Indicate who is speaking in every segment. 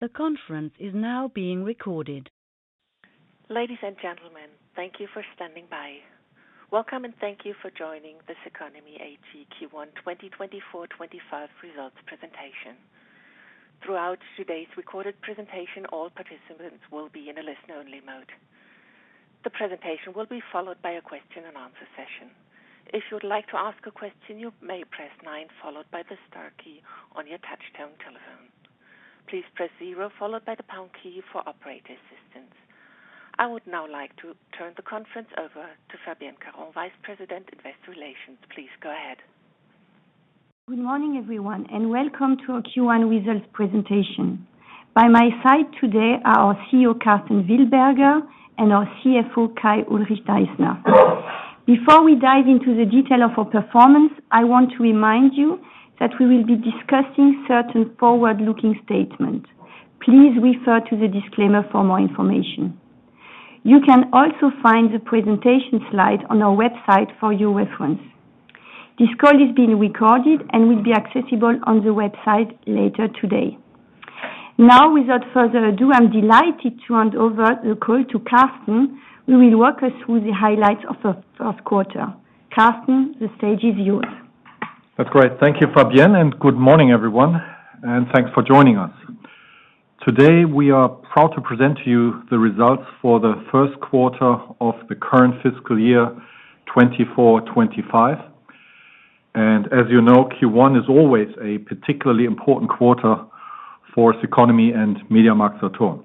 Speaker 1: The conference is now being recorded. Ladies and gentlemen, thank you for standing by. Welcome, and thank you for joining this CECONOMY AG Q1 2024-2025 results presentation. Throughout today's recorded presentation, all participants will be in a listen-only mode. The presentation will be followed by a question-and-answer session. If you would like to ask a question, you may press nine, followed by the star key on your touch-tone telephone. Please press zero, followed by the pound key for operator assistance. I would now like to turn the conference over to Fabienne Caron, Vice President, Investor Relations. Please go ahead.
Speaker 2: Good morning, everyone, and welcome to our Q1 results presentation. By my side today are our CEO, Karsten Wildberger, and our CFO, Kai-Ulrich Deissner. Before we dive into the detail of our performance, I want to remind you that we will be discussing certain forward-looking statements. Please refer to the disclaimer for more information. You can also find the presentation slides on our website for your reference. This call is being recorded and will be accessible on the website later today. Now, without further ado, I'm delighted to hand over the call to Karsten, who will walk us through the highlights of the first quarter. Karsten, the stage is yours.
Speaker 3: That's great. Thank you, Fabienne, and good morning, everyone, and thanks for joining us. Today, we are proud to present to you the results for the first quarter of the current Fiscal Year 2024-2025. And as you know, Q1 is always a particularly important quarter for CECONOMY and MediaMarktSaturn.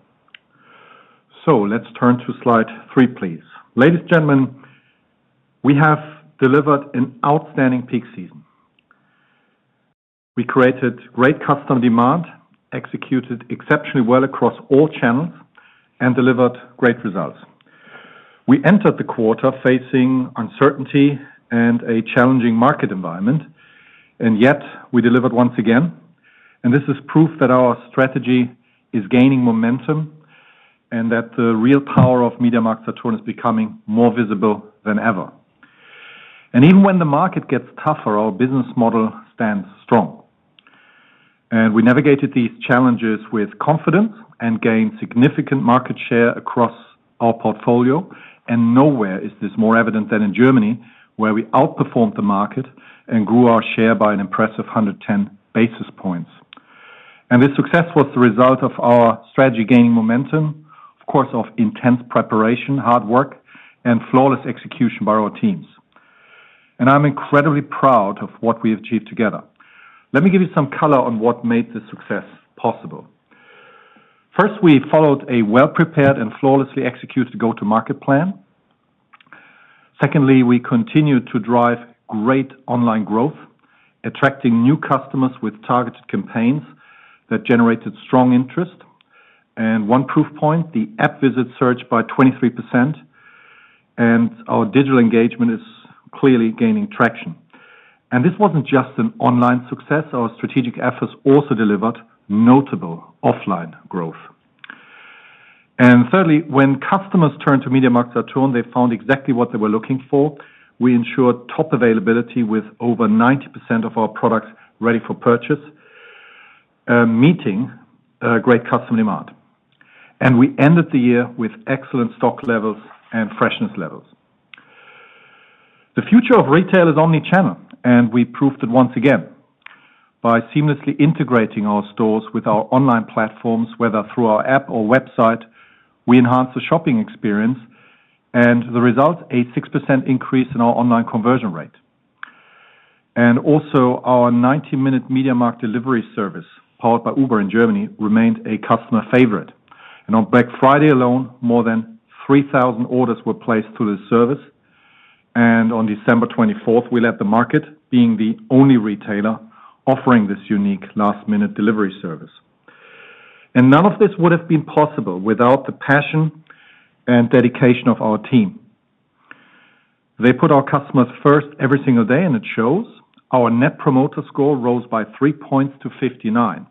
Speaker 3: So let's turn to slide three, please. Ladies and gentlemen, we have delivered an outstanding peak season. We created great customer demand, executed exceptionally well across all channels, and delivered great results. We entered the quarter facing uncertainty and a challenging market environment, and yet we delivered once again. And this is proof that our strategy is gaining momentum and that the real power of MediaMarktSaturn is becoming more visible than ever. And even when the market gets tougher, our business model stands strong. We navigated these challenges with confidence and gained significant market share across our portfolio. Nowhere is this more evident than in Germany, where we outperformed the market and grew our share by an impressive 110 basis points. This success was the result of our strategy gaining momentum, of course, of intense preparation, hard work, and flawless execution by our teams. I'm incredibly proud of what we have achieved together. Let me give you some color on what made this success possible. First, we followed a well-prepared and flawlessly executed go-to-market plan. Secondly, we continued to drive great online growth, attracting new customers with targeted campaigns that generated strong interest. One proof point, the app visit surged by 23%, and our digital engagement is clearly gaining traction. This wasn't just an online success. Our strategic efforts also delivered notable offline growth. Thirdly, when customers turned to MediaMarktSaturn, they found exactly what they were looking for. We ensured top availability with over 90% of our products ready for purchase, meeting great customer demand. And we ended the year with excellent stock levels and freshness levels. The future of retail is omnichannel, and we proved it once again by seamlessly integrating our stores with our online platforms, whether through our app or website. We enhanced the shopping experience, and the result: a 6% increase in our online conversion rate. And also, our 90-minute MediaMarktSaturn delivery service, powered by Uber in Germany, remained a customer favorite. And on Black Friday alone, more than 3,000 orders were placed through the service. And on December 24th, we led the market being the only retailer offering this unique last-minute delivery service. None of this would have been possible without the passion and dedication of our team. They put our customers first every single day, and it shows. Our Net Promoter Score rose by three points to 59.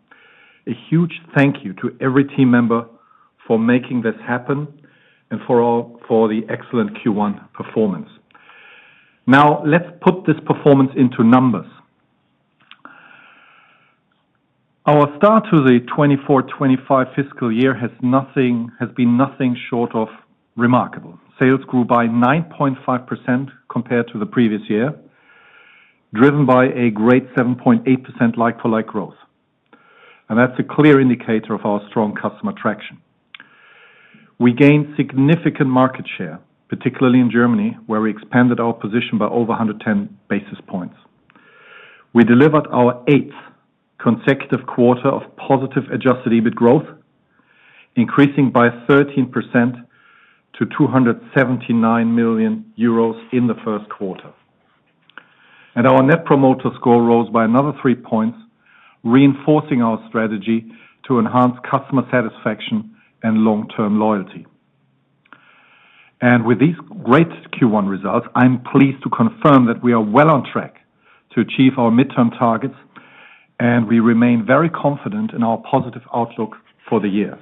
Speaker 3: A huge thank you to every team member for making this happen and for the excellent Q1 performance. Now, let's put this performance into numbers. Our start to the 2024-2025 fiscal year has been nothing short of remarkable. Sales grew by 9.5% compared to the previous year, driven by a great 7.8% like-for-like growth. And that's a clear indicator of our strong customer traction. We gained significant market share, particularly in Germany, where we expanded our position by over 110 basis points. We delivered our eighth consecutive quarter of positive Adjusted EBIT growth, increasing by 13% to 279 million euros in the first quarter. Our Net Promoter Score rose by another three points, reinforcing our strategy to enhance customer satisfaction and long-term loyalty. With these great Q1 results, I'm pleased to confirm that we are well on track to achieve our midterm targets, and we remain very confident in our positive outlook for the year.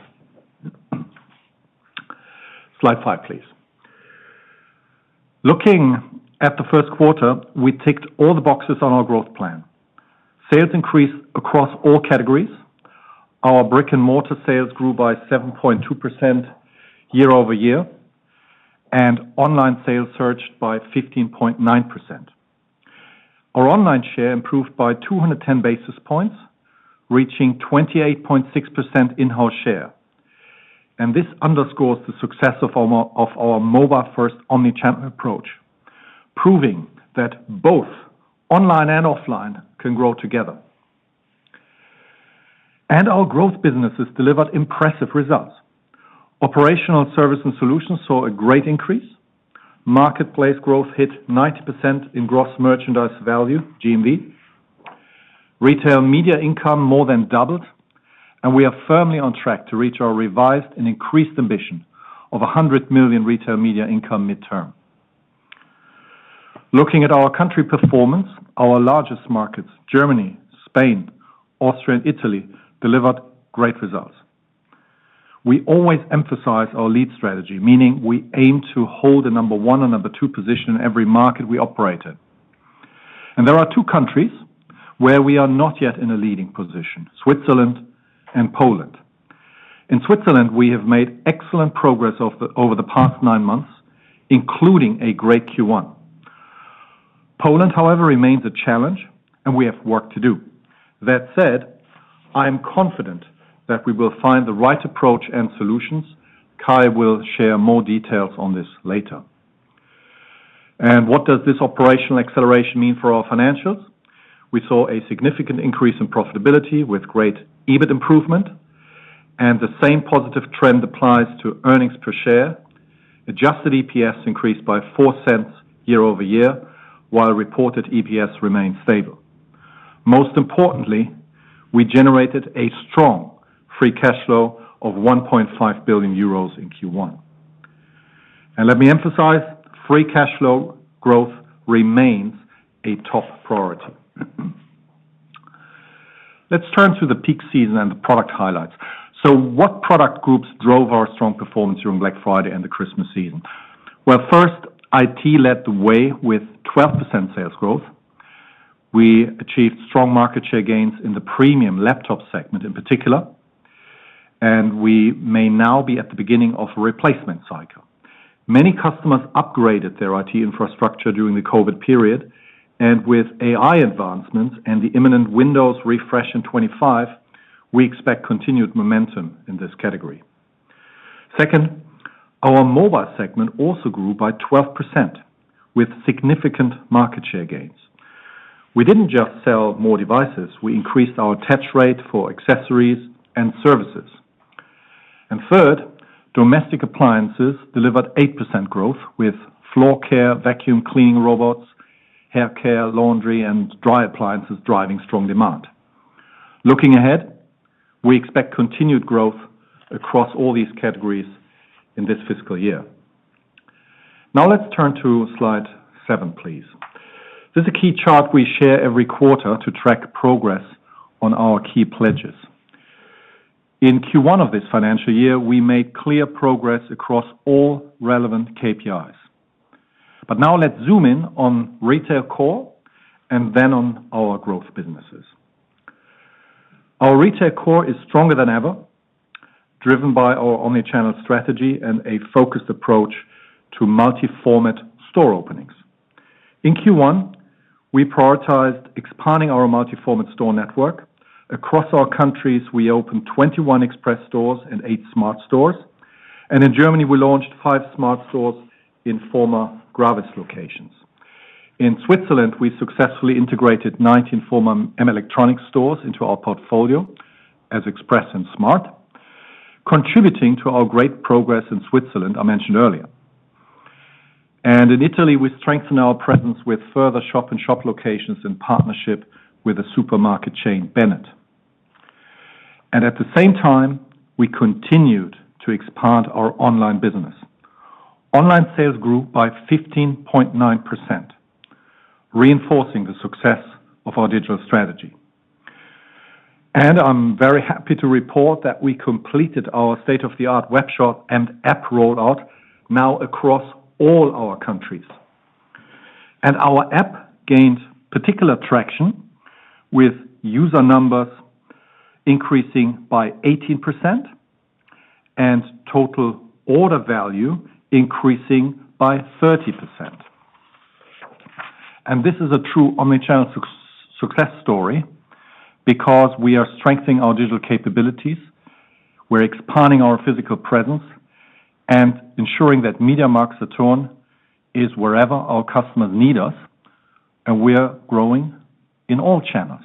Speaker 3: Slide five, please. Looking at the first quarter, we ticked all the boxes on our growth plan. Sales increased across all categories. Our brick-and-mortar sales grew by 7.2% year-over-year, and online sales surged by 15.9%. Our online share improved by 210 basis points, reaching 28.6% in-house share. This underscores the success of our mobile-first omnichannel approach, proving that both online and offline can grow together. Our growth businesses delivered impressive results. Operational Services & Solutions saw a great increase. Marketplace growth hit 90% in gross merchandise value, GMV. Retail Media income more than doubled, and we are firmly on track to reach our revised and increased ambition of 100 million Retail Media income midterm. Looking at our country performance, our largest markets, Germany, Spain, Austria, and Italy, delivered great results. We always emphasize our lead strategy, meaning we aim to hold the number one and number two position in every market we operate in. And there are two countries where we are not yet in a leading position: Switzerland and Poland. In Switzerland, we have made excellent progress over the past nine months, including a great Q1. Poland, however, remains a challenge, and we have work to do. That said, I am confident that we will find the right approach and solutions. Kai will share more details on this later. And what does this operational acceleration mean for our financials? We saw a significant increase in profitability with great EBIT improvement, and the same positive trend applies to earnings per share. Adjusted EPS increased by 0.04 year-over-year, while reported EPS remained stable. Most importantly, we generated a strong free cash flow of 1.5 billion euros in Q1, and let me emphasize: free cash flow growth remains a top priority. Let's turn to the peak season and the product highlights, so what product groups drove our strong performance during Black Friday and the Christmas season, well, first, IT led the way with 12% sales growth. We achieved strong market share gains in the Premium Laptop segment in particular, and we may now be at the beginning of a replacement cycle. Many customers upgraded their IT infrastructure during the COVID period, and with AI advancements and the imminent Windows refresh in 2025, we expect continued momentum in this category. Second, our Mobile segment also grew by 12% with significant market share gains. We didn't just sell more devices. We increased our attach rate for accessories and services. And third, domestic appliances delivered 8% growth with floor care, vacuum cleaning robots, hair care, laundry, and dry appliances driving strong demand. Looking ahead, we expect continued growth across all these categories in this fiscal year. Now let's turn to slide seven, please. This is a key chart we share every quarter to track progress on our key pledges. In Q1 of this financial year, we made clear progress across all relevant KPIs. But now let's zoom in on Retail Core and then on our growth businesses. Our Retail Core is stronger than ever, driven by our omnichannel strategy and a focused approach to multi-format store openings. In Q1, we prioritized expanding our multi-format store network. Across our countries, we opened 21 Xpress stores and 8 Smart stores. And in Germany, we launched 5 Smart stores in former Gravis locations. In Switzerland, we successfully integrated 19 former Melectronics stores into our portfolio as Xpress and Smart, contributing to our great progress in Switzerland, I mentioned earlier. And in Italy, we strengthened our presence with further shop-in-shop locations in partnership with the supermarket chain Bennet. And at the same time, we continued to expand our online business. Online sales grew by 15.9%, reinforcing the success of our digital strategy. And I'm very happy to report that we completed our state-of-the-art web shop and app rollout now across all our countries. And our app gained particular traction with user numbers increasing by 18% and total order value increasing by 30%. This is a true omnichannel success story because we are strengthening our digital capabilities, we're expanding our physical presence, and ensuring that MediaMarktSaturn is wherever our customers need us, and we're growing in all channels.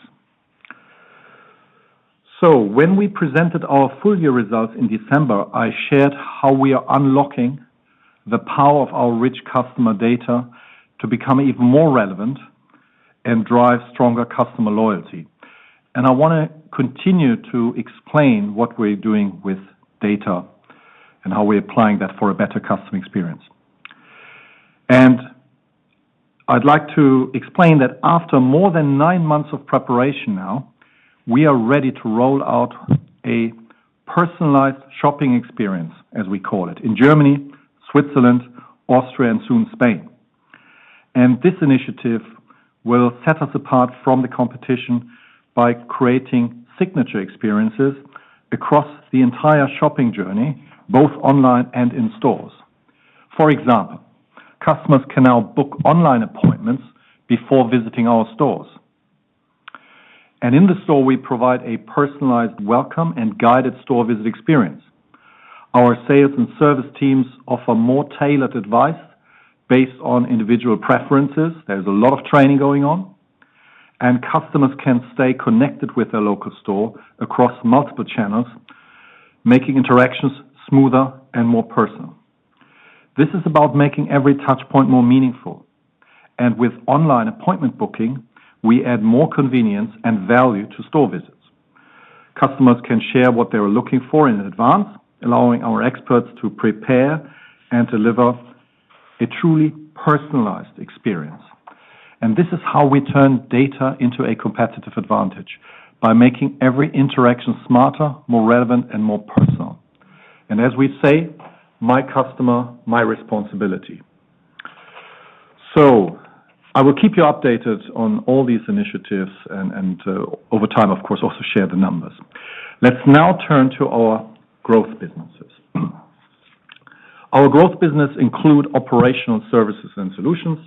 Speaker 3: When we presented our full year results in December, I shared how we are unlocking the power of our rich customer data to become even more relevant and drive stronger customer loyalty. I want to continue to explain what we're doing with data and how we're applying that for a better customer experience. I'd like to explain that after more than nine months of preparation now, we are ready to roll out a personalized shopping experience, as we call it, in Germany, Switzerland, Austria, and soon Spain. This initiative will set us apart from the competition by creating signature experiences across the entire shopping journey, both online and in stores. For example, customers can now book online appointments before visiting our stores. In the store, we provide a personalized welcome and guided store visit experience. Our sales and service teams offer more tailored advice based on individual preferences. There's a lot of training going on, and customers can stay connected with their local store across multiple channels, making interactions smoother and more personal. This is about making every touchpoint more meaningful. With online appointment booking, we add more convenience and value to store visits. Customers can share what they're looking for in advance, allowing our experts to prepare and deliver a truly personalized experience. And this is how we turn data into a competitive advantage by making every interaction smarter, more relevant, and more personal. And as we say, "My customer, my responsibility." So I will keep you updated on all these initiatives and, over time, of course, also share the numbers. Let's now turn to our growth businesses. Our growth business includes Operational Services & Solutions,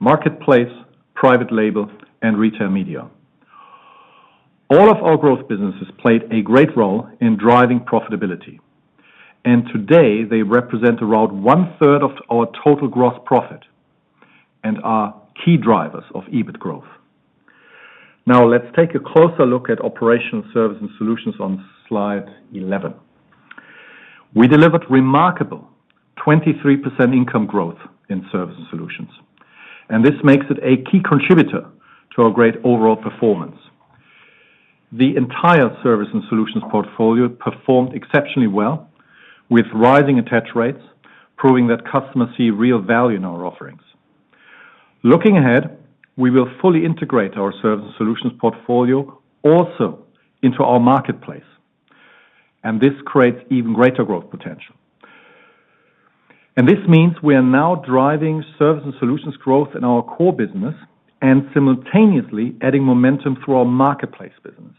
Speaker 3: Marketplace, Private Label, and Retail Media. All of our growth businesses played a great role in driving profitability. And today, they represent around 1/3 of our total gross profit and are key drivers of EBIT growth. Now, let's take a closer look at Operational Services & Solutions on slide 11. We delivered remarkable 23% income growth in Services & Solutions. And this makes it a key contributor to our great overall performance. The entire Services & Solutions portfolio performed exceptionally well, with rising attach rates, proving that customers see real value in our offerings. Looking ahead, we will fully integrate our Services & Solutions portfolio also into our Marketplace, and this creates even greater growth potential. This means we are now driving Services & Solutions growth in our core business and simultaneously adding momentum through our Marketplace business.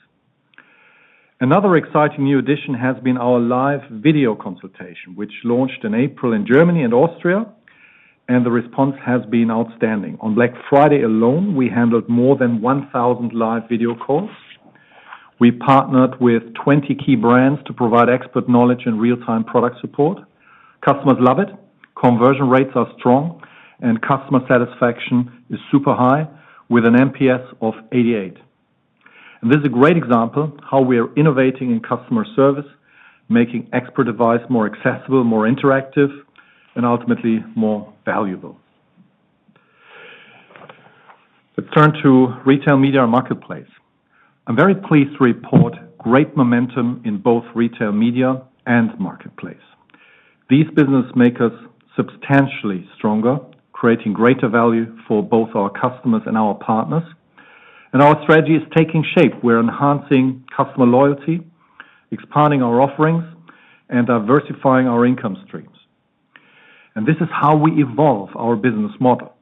Speaker 3: Another exciting new addition has been our live video consultation, which launched in April in Germany and Austria, and the response has been outstanding. On Black Friday alone, we handled more than 1,000 live video calls. We partnered with 20 key brands to provide expert knowledge and real-time product support. Customers love it. Conversion rates are strong, and customer satisfaction is super high, with an NPS of 88. And this is a great example of how we are innovating in customer service, making expert advice more accessible, more interactive, and ultimately more valuable. Let's turn to Retail Media and Marketplace. I'm very pleased to report great momentum in both Retail Media and Marketplace. These businesses make us substantially stronger, creating greater value for both our customers and our partners. And our strategy is taking shape. We're enhancing customer loyalty, expanding our offerings, and diversifying our income streams. And this is how we evolve our business model.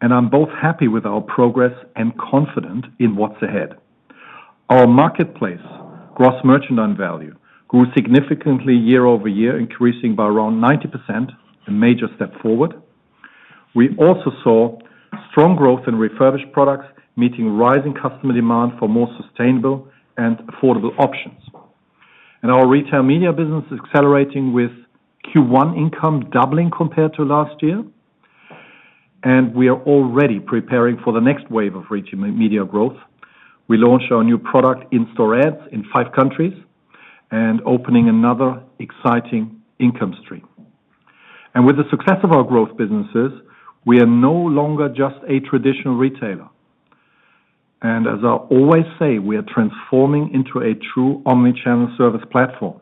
Speaker 3: And I'm both happy with our progress and confident in what's ahead. Our Marketplace gross merchandise value grew significantly year-over-year, increasing by around 90%, a major step forward. We also saw strong growth in refurbished products, meeting rising customer demand for more sustainable and affordable options. Our Retail Media business is accelerating, with Q1 income doubling compared to last year. We are already preparing for the next wave of Retail Media growth. We launched our new product, In-Store Ads, in five countries and opening another exciting income stream. With the success of our growth businesses, we are no longer just a traditional retailer. As I always say, we are transforming into a true omnichannel service platform,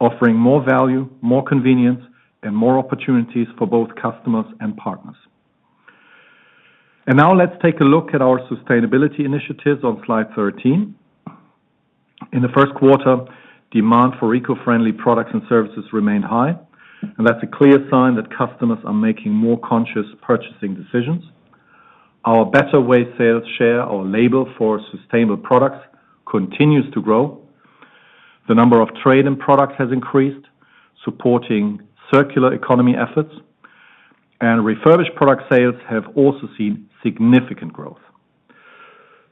Speaker 3: offering more value, more convenience, and more opportunities for both customers and partners. Now let's take a look at our sustainability initiatives on slide 13. In the first quarter, demand for eco-friendly products and services remained high. That's a clear sign that customers are making more conscious purchasing decisions. Our BetterWay sales share, our label for sustainable products, continues to grow. The number of trade-in products has increased, supporting circular economy efforts. Refurbished product sales have also seen significant growth.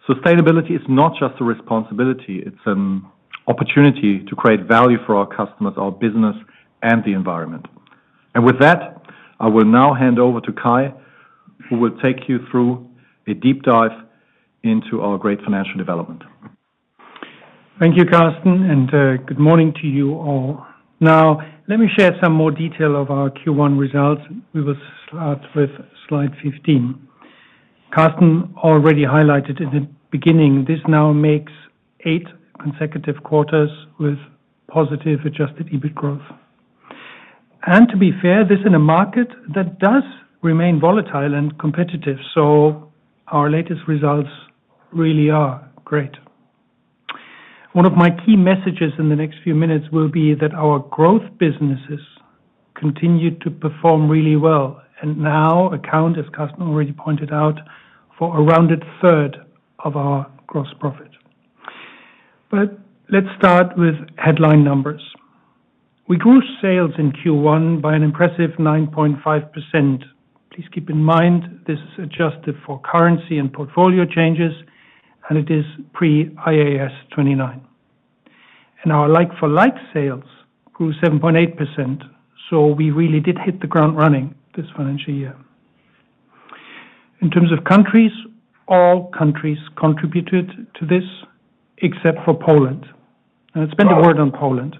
Speaker 3: Sustainability is not just a responsibility. It's an opportunity to create value for our customers, our business, and the environment. With that, I will now hand over to Kai, who will take you through a deep dive into our great financial development.
Speaker 4: Thank you, Karsten, and good morning to you all. Now, let me share some more detail of our Q1 results. We will start with slide 15. Karsten already highlighted in the beginning. This now makes eight consecutive quarters with positive Adjusted EBIT growth. To be fair, this is a market that does remain volatile and competitive. Our latest results really are great. One of my key messages in the next few minutes will be that our growth businesses continue to perform really well and now account, as Karsten already pointed out, for around 1/3 of our gross profit, but let's start with headline numbers. We grew sales in Q1 by an impressive 9.5%. Please keep in mind this is adjusted for currency and portfolio changes, and it is pre-IAS 29, and our like-for-like sales grew 7.8%, so we really did hit the ground running this financial year. In terms of countries, all countries contributed to this except for Poland, and let's spend a word on Poland.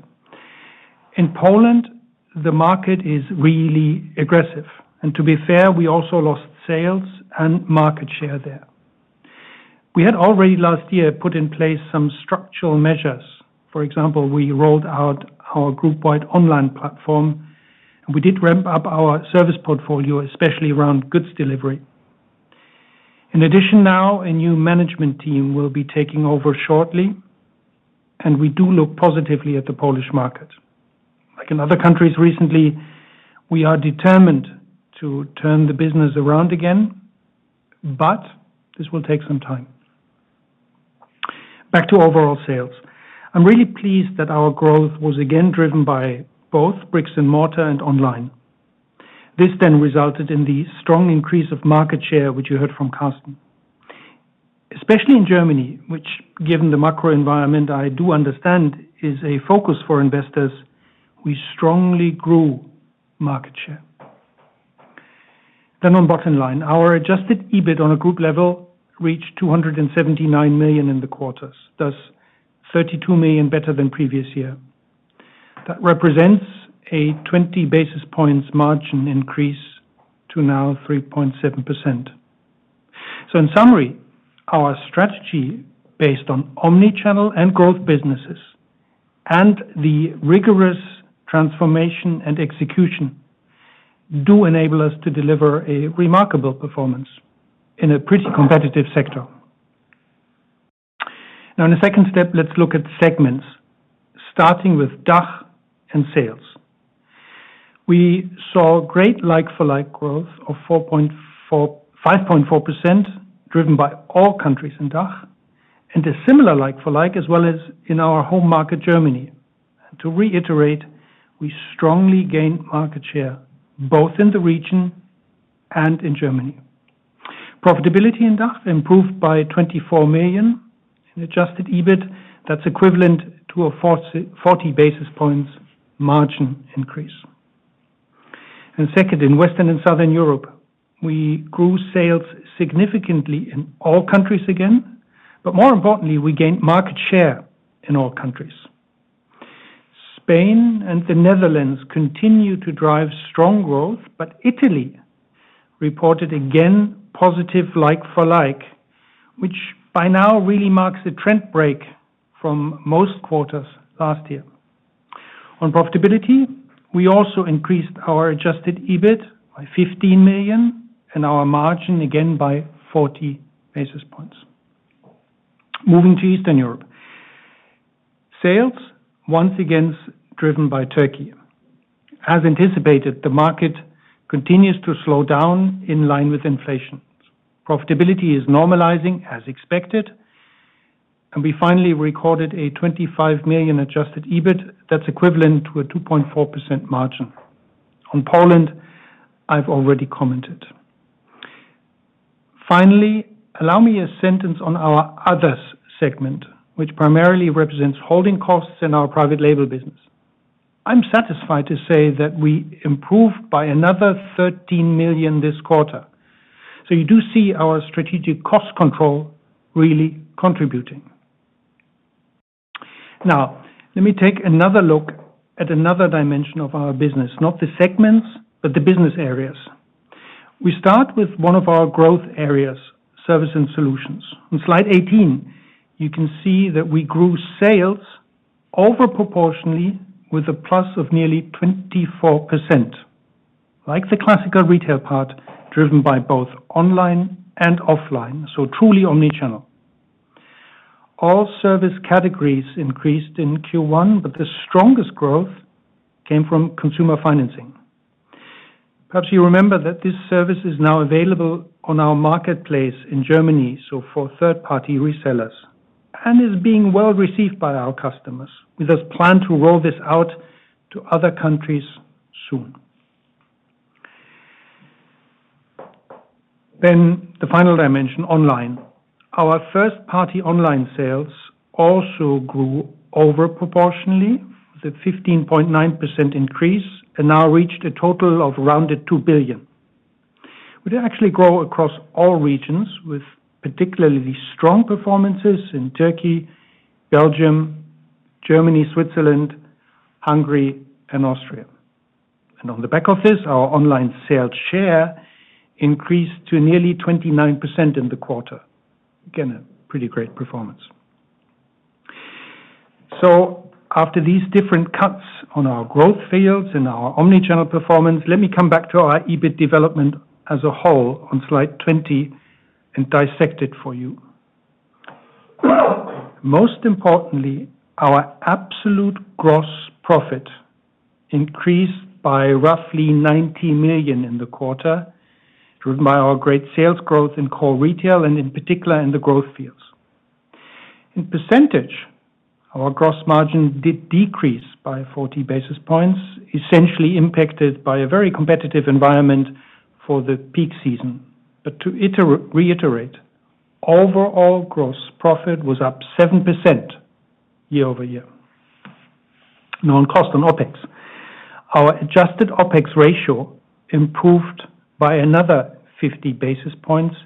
Speaker 4: In Poland, the market is really aggressive, and to be fair, we also lost sales and market share there. We had already last year put in place some structural measures. For example, we rolled out our group-wide online platform, and we did ramp up our service portfolio, especially around goods delivery. In addition, now a new management team will be taking over shortly, and we do look positively at the Polish market. Like in other countries recently, we are determined to turn the business around again, but this will take some time. Back to overall sales. I'm really pleased that our growth was again driven by both bricks-and-mortar and online. This then resulted in the strong increase of market share, which you heard from Karsten. Especially in Germany, which, given the macro environment I do understand, is a focus for investors, we strongly grew market share. Then on bottom line, our adjusted EBIT on a group level reached 279 million in the quarters, thus 32 million better than previous year. That represents a 20 basis points margin increase to now 3.7%. So in summary, our strategy based on omnichannel and growth businesses and the rigorous transformation and execution do enable us to deliver a remarkable performance in a pretty competitive sector. Now, in a second step, let's look at segments, starting with DACH and sales. We saw great like-for-like growth of 5.4%, driven by all countries in DACH, and a similar like-for-like as well as in our home market, Germany. To reiterate, we strongly gained market share, both in the region and in Germany. Profitability in DACH improved by 24 million in adjusted EBIT. That's equivalent to a 40 basis points margin increase. And second, in Western and Southern Europe, we grew sales significantly in all countries again, but more importantly, we gained market share in all countries. Spain and the Netherlands continue to drive strong growth, but Italy reported again positive like-for-like, which by now really marks a trend break from most quarters last year. On profitability, we also increased our Adjusted EBIT by 15 million and our margin again by 40 basis points. Moving to Eastern Europe, sales once again driven by Turkey. As anticipated, the market continues to slow down in line with inflation. Profitability is normalizing as expected, and we finally recorded a 25 million Adjusted EBIT. That's equivalent to a 2.4% margin. On Poland, I've already commented. Finally, allow me a sentence on our Others segment, which primarily represents holding costs in our Private Label business. I'm satisfied to say that we improved by another 13 million this quarter. So you do see our strategic cost control really contributing. Now, let me take another look at another dimension of our business, not the segments, but the business areas. We start with one of our growth areas, Services & Solutions. On slide 18, you can see that we grew sales overproportionally with a plus of nearly 24%, like the classical retail part, driven by both online and offline, so truly omnichannel. All service categories increased in Q1, but the strongest growth came from consumer financing. Perhaps you remember that this service is now available on our Marketplace in Germany, so for third-party resellers, and is being well received by our customers. We thus plan to roll this out to other countries soon. Then the final dimension, online. Our first-party online sales also grew overproportionally, with a 15.9% increase, and now reached a total of around 2 billion. We did actually grow across all regions, with particularly strong performances in Turkey, Belgium, Germany, Switzerland, Hungary, and Austria. And on the back of this, our online sales share increased to nearly 29% in the quarter. Again, a pretty great performance. So after these different cuts on our growth fields and our omnichannel performance, let me come back to our EBIT development as a whole on slide 20 and dissect it for you. Most importantly, our absolute gross profit increased by roughly 90 million in the quarter, driven by our great sales growth in core retail and in particular in the growth fields. In percentage, our gross margin did decrease by 40 basis points, essentially impacted by a very competitive environment for the peak season. But to reiterate, overall gross profit was up 7% year-over-year. Now, on cost and OpEx, our adjusted OpEx ratio improved by another 50 basis points,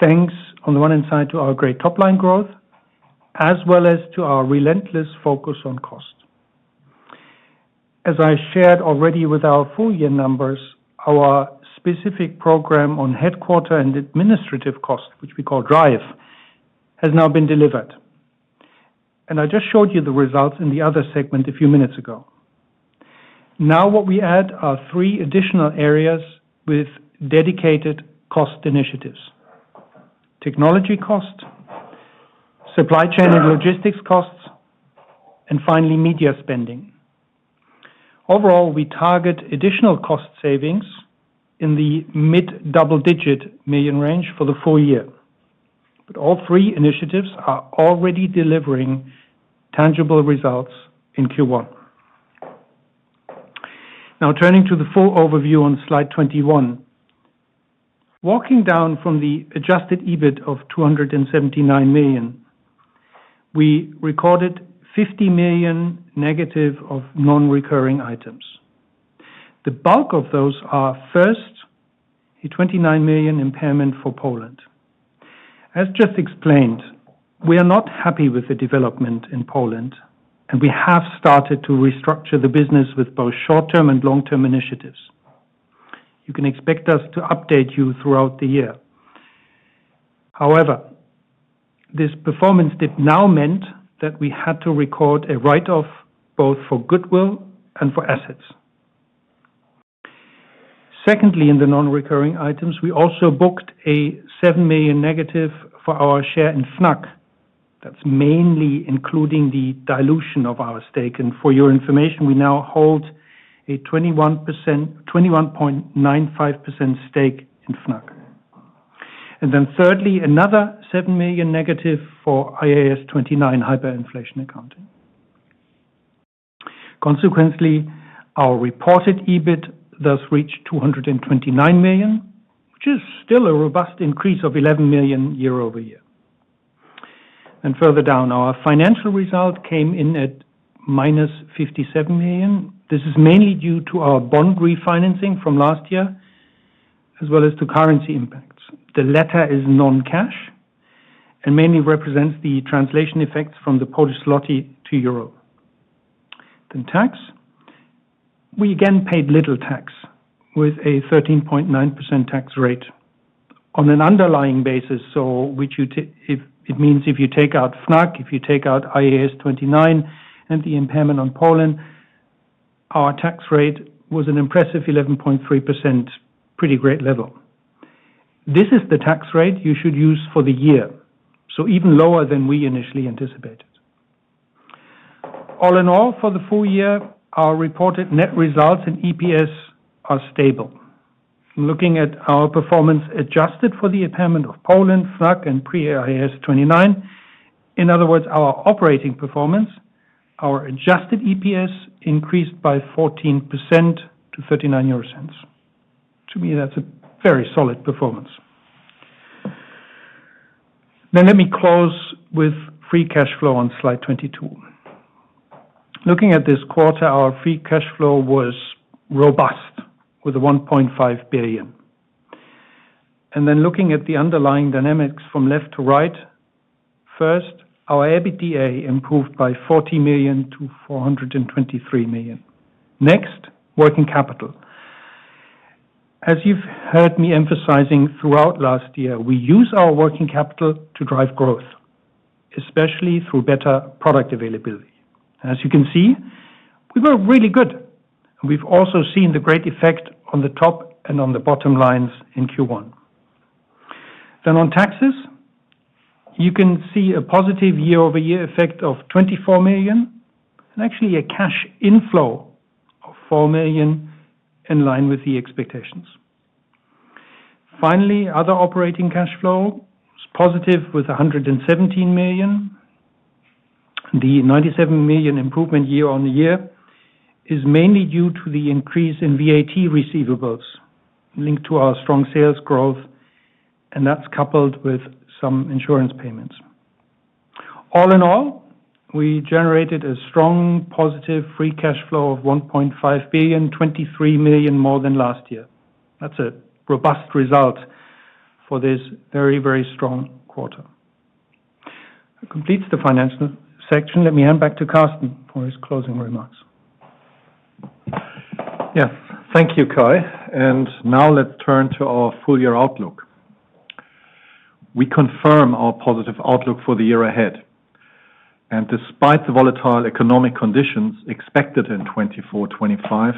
Speaker 4: thanks on the one hand side to our great top-line growth, as well as to our relentless focus on cost. As I shared already with our full-year numbers, our specific program on headquarter and administrative cost, which we call DRIVE, has now been delivered, and I just showed you the results in the other segment a few minutes ago. Now what we add are three additional areas with dedicated cost initiatives: technology cost, supply chain and logistics costs, and finally, media spending. Overall, we target additional cost savings in the mid-double-digit million range for the full year, but all three initiatives are already delivering tangible results in Q1. Now, turning to the full overview on slide 21, walking down from the adjusted EBIT of 279 million, we recorded 50 million negative of non-recurring items. The bulk of those are first a 29 million impairment for Poland. As just explained, we are not happy with the development in Poland, and we have started to restructure the business with both short-term and long-term initiatives. You can expect us to update you throughout the year. However, this performance did now mean that we had to record a write-off both for goodwill and for assets. Secondly, in the non-recurring items, we also booked a 7 million negative for our share in Fnac. That's mainly including the dilution of our stake. And for your information, we now hold a 21.95% stake in Fnac. And then thirdly, another 7 million negative for IAS 29 hyperinflation accounting. Consequently, our reported EBIT thus reached 229 million, which is still a robust increase of 11 million year-over-year. And further down, our financial result came in at minus 57 million. This is mainly due to our bond refinancing from last year, as well as to currency impacts. The latter is non-cash and mainly represents the translation effects from the Polish zloty to euro. Then tax. We again paid little tax with a 13.9% tax rate on an underlying basis, which means if you take out Fnac, if you take out IAS 29 and the impairment on Poland, our tax rate was an impressive 11.3%, pretty great level. This is the tax rate you should use for the year, so even lower than we initially anticipated. All in all, for the full year, our reported net results and EPS are stable. I'm looking at our performance adjusted for the impairment of Poland, Fnac, and pre-IAS 29. In other words, our operating performance, our adjusted EPS increased by 14% to 0.39. To me, that's a very solid performance. Then let me close with free cash flow on slide 22. Looking at this quarter, our free cash flow was robust with 1.5 billion. And then looking at the underlying dynamics from left to right, first, our EBITDA improved by 40 million-423 million. Next, working capital. As you've heard me emphasizing throughout last year, we use our working capital to drive growth, especially through better product availability. As you can see, we were really good. We've also seen the great effect on the top and on the bottom lines in Q1. Then on taxes, you can see a positive year-over-year effect of 24 million, and actually a cash inflow of 4 million in line with the expectations. Finally, other operating cash flow is positive with 117 million. The 97 million improvement year-on-year is mainly due to the increase in VAT receivables linked to our strong sales growth, and that's coupled with some insurance payments. All in all, we generated a strong positive free cash flow of 1.5 billion, 23 million more than last year. That's a robust result for this very, very strong quarter. Completes the financial section. Let me hand back to Karsten for his closing remarks.
Speaker 3: Yes, thank you, Kai. Now let's turn to our full-year outlook. We confirm our positive outlook for the year ahead. Despite the volatile economic conditions expected in 2024-2025,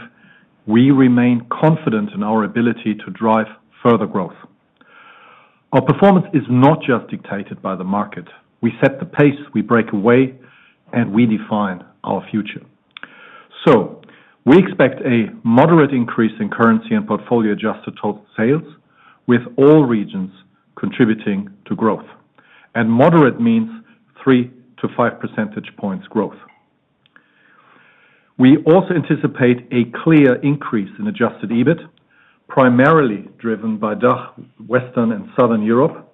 Speaker 3: we remain confident in our ability to drive further growth. Our performance is not just dictated by the market. We set the pace, we break away, and we define our future. We expect a moderate increase in currency and portfolio adjusted total sales, with all regions contributing to growth. And moderate means 3-5 percentage points growth. We also anticipate a clear increase in adjusted EBIT, primarily driven by DACH, Western, and Southern Europe.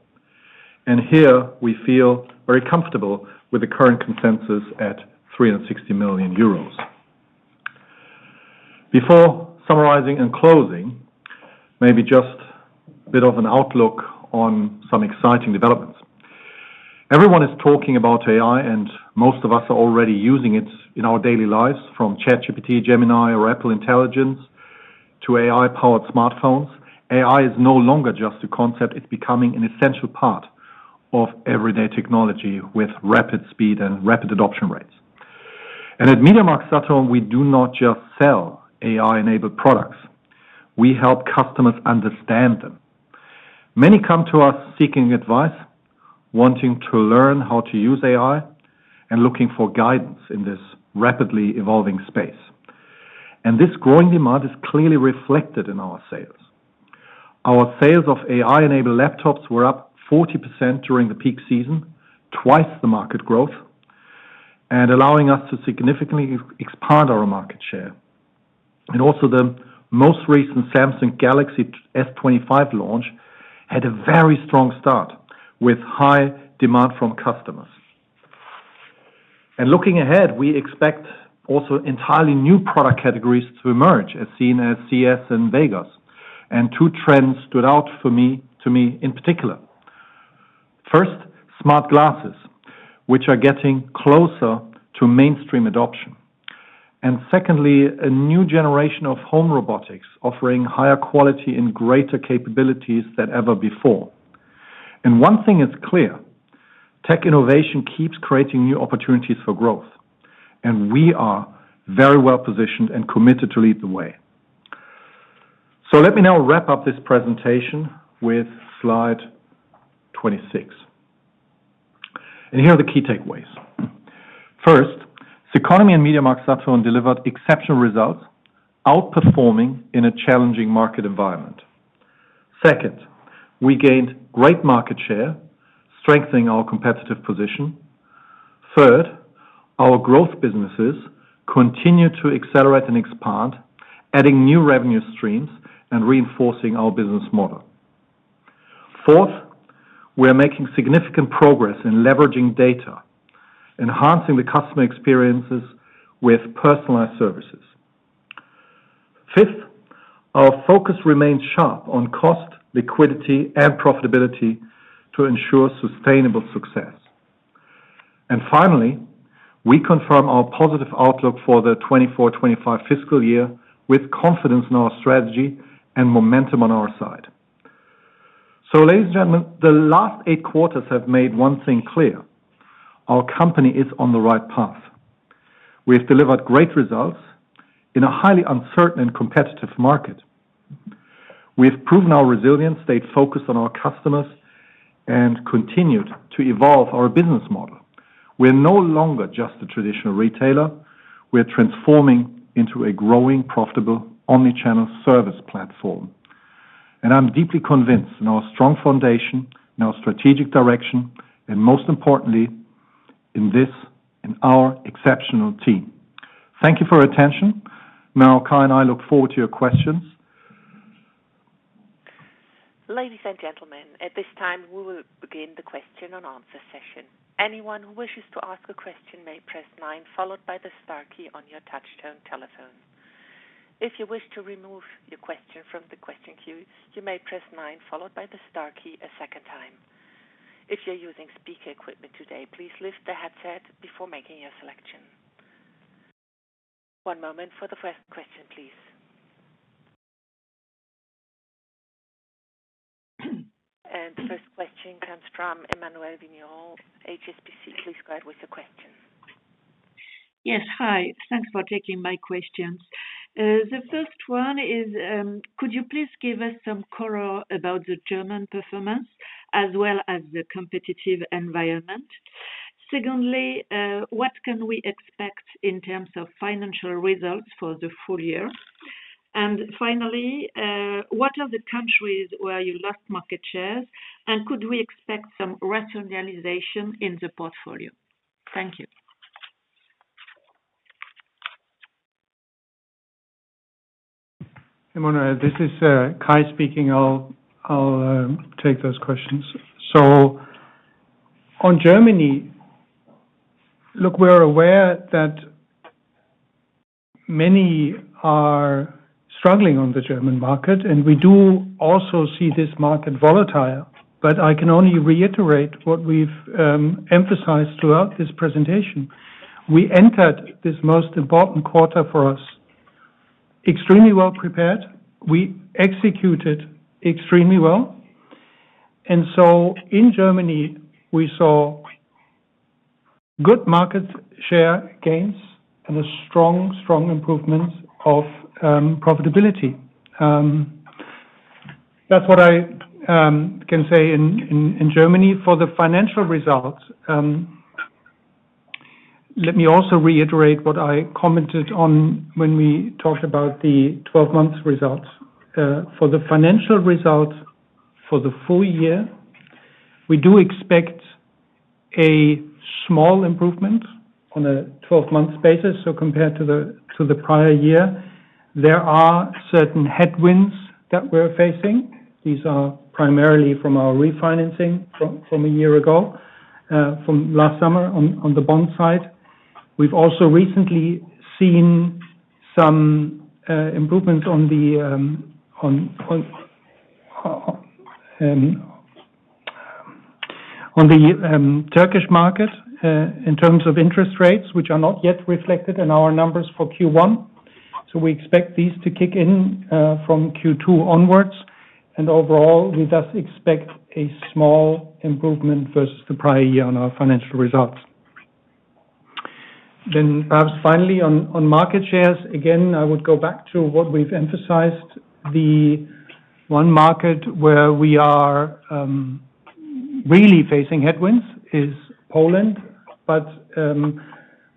Speaker 3: And here, we feel very comfortable with the current consensus at 360 million euros. Before summarizing and closing, maybe just a bit of an outlook on some exciting developments. Everyone is talking about AI, and most of us are already using it in our daily lives, from ChatGPT, Gemini, or Apple Intelligence to AI-powered smartphones. AI is no longer just a concept. It's becoming an essential part of everyday technology with rapid speed and rapid adoption rates. And at MediaMarktSaturn, we do not just sell AI-enabled products. We help customers understand them. Many come to us seeking advice, wanting to learn how to use AI, and looking for guidance in this rapidly evolving space. This growing demand is clearly reflected in our sales. Our sales of AI-enabled laptops were up 40% during the peak season, twice the market growth, and allowing us to significantly expand our market share. Also, the most recent Samsung Galaxy S25 launch had a very strong start with high demand from customers. Looking ahead, we expect also entirely new product categories to emerge, as seen at CES in Vegas. Two trends stood out for me, to me in particular. First, smart glasses, which are getting closer to mainstream adoption. Secondly, a new generation of home robotics offering higher quality and greater capabilities than ever before. One thing is clear: tech innovation keeps creating new opportunities for growth, and we are very well positioned and committed to lead the way. Let me now wrap up this presentation with slide 26. Here are the key takeaways. First, CECONOMY in MediaMarktSaturn delivered exceptional results, outperforming in a challenging market environment. Second, we gained great market share, strengthening our competitive position. Third, our growth businesses continue to accelerate and expand, adding new revenue streams and reinforcing our business model. Fourth, we are making significant progress in leveraging data, enhancing the customer experiences with personalized services. Fifth, our focus remains sharp on cost, liquidity, and profitability to ensure sustainable success. Finally, we confirm our positive outlook for the 2024-2025 fiscal year with confidence in our strategy and momentum on our side. So, ladies and gentlemen, the last eight quarters have made one thing clear: our company is on the right path. We have delivered great results in a highly uncertain and competitive market. We have proven our resilience, stayed focused on our customers, and continued to evolve our business model. We are no longer just a traditional retailer. We are transforming into a growing, profitable omnichannel service platform. And I'm deeply convinced in our strong foundation, in our strategic direction, and most importantly, in this, in our exceptional team. Thank you for your attention. Now, Kai and I look forward to your questions.
Speaker 1: Ladies and gentlemen, at this time, we will begin the question and answer session. Anyone who wishes to ask a question may press nine, followed by the star key on your touch-tone telephone. If you wish to remove your question from the question queue, you may press nine, followed by the star key a second time. If you're using speaker equipment today, please lift the headset before making your selection. One moment for the first question, please. The first question comes from Emmanuelle Vigneron, HSBC. Please go ahead with your question.
Speaker 5: Yes, hi. Thanks for taking my questions. The first one is, could you please give us some color about the German performance as well as the competitive environment? Secondly, what can we expect in terms of financial results for the full year? And finally, what are the countries where you lost market shares, and could we expect some rationalization in the portfolio? Thank you.
Speaker 4: Emmanuelle, this is Kai speaking. I'll take those questions. So, on Germany, look, we're aware that many are struggling on the German market, and we do also see this market volatile. But I can only reiterate what we've emphasized throughout this presentation. We entered this most important quarter for us extremely well prepared. We executed extremely well. And so in Germany, we saw good market share gains and a strong, strong improvement of profitability. That's what I can say in Germany. For the financial results, let me also reiterate what I commented on when we talked about the 12-month results. For the financial results for the full year, we do expect a small improvement on a 12-month basis. So compared to the prior year, there are certain headwinds that we're facing. These are primarily from our refinancing from a year ago, from last summer on the bond side. We've also recently seen some improvements on the Turkish market in terms of interest rates, which are not yet reflected in our numbers for Q1. So we expect these to kick in from Q2 onwards. And overall, we thus expect a small improvement versus the prior year on our financial results. Then perhaps finally, on market shares, again, I would go back to what we've emphasized. The one market where we are really facing headwinds is Poland. But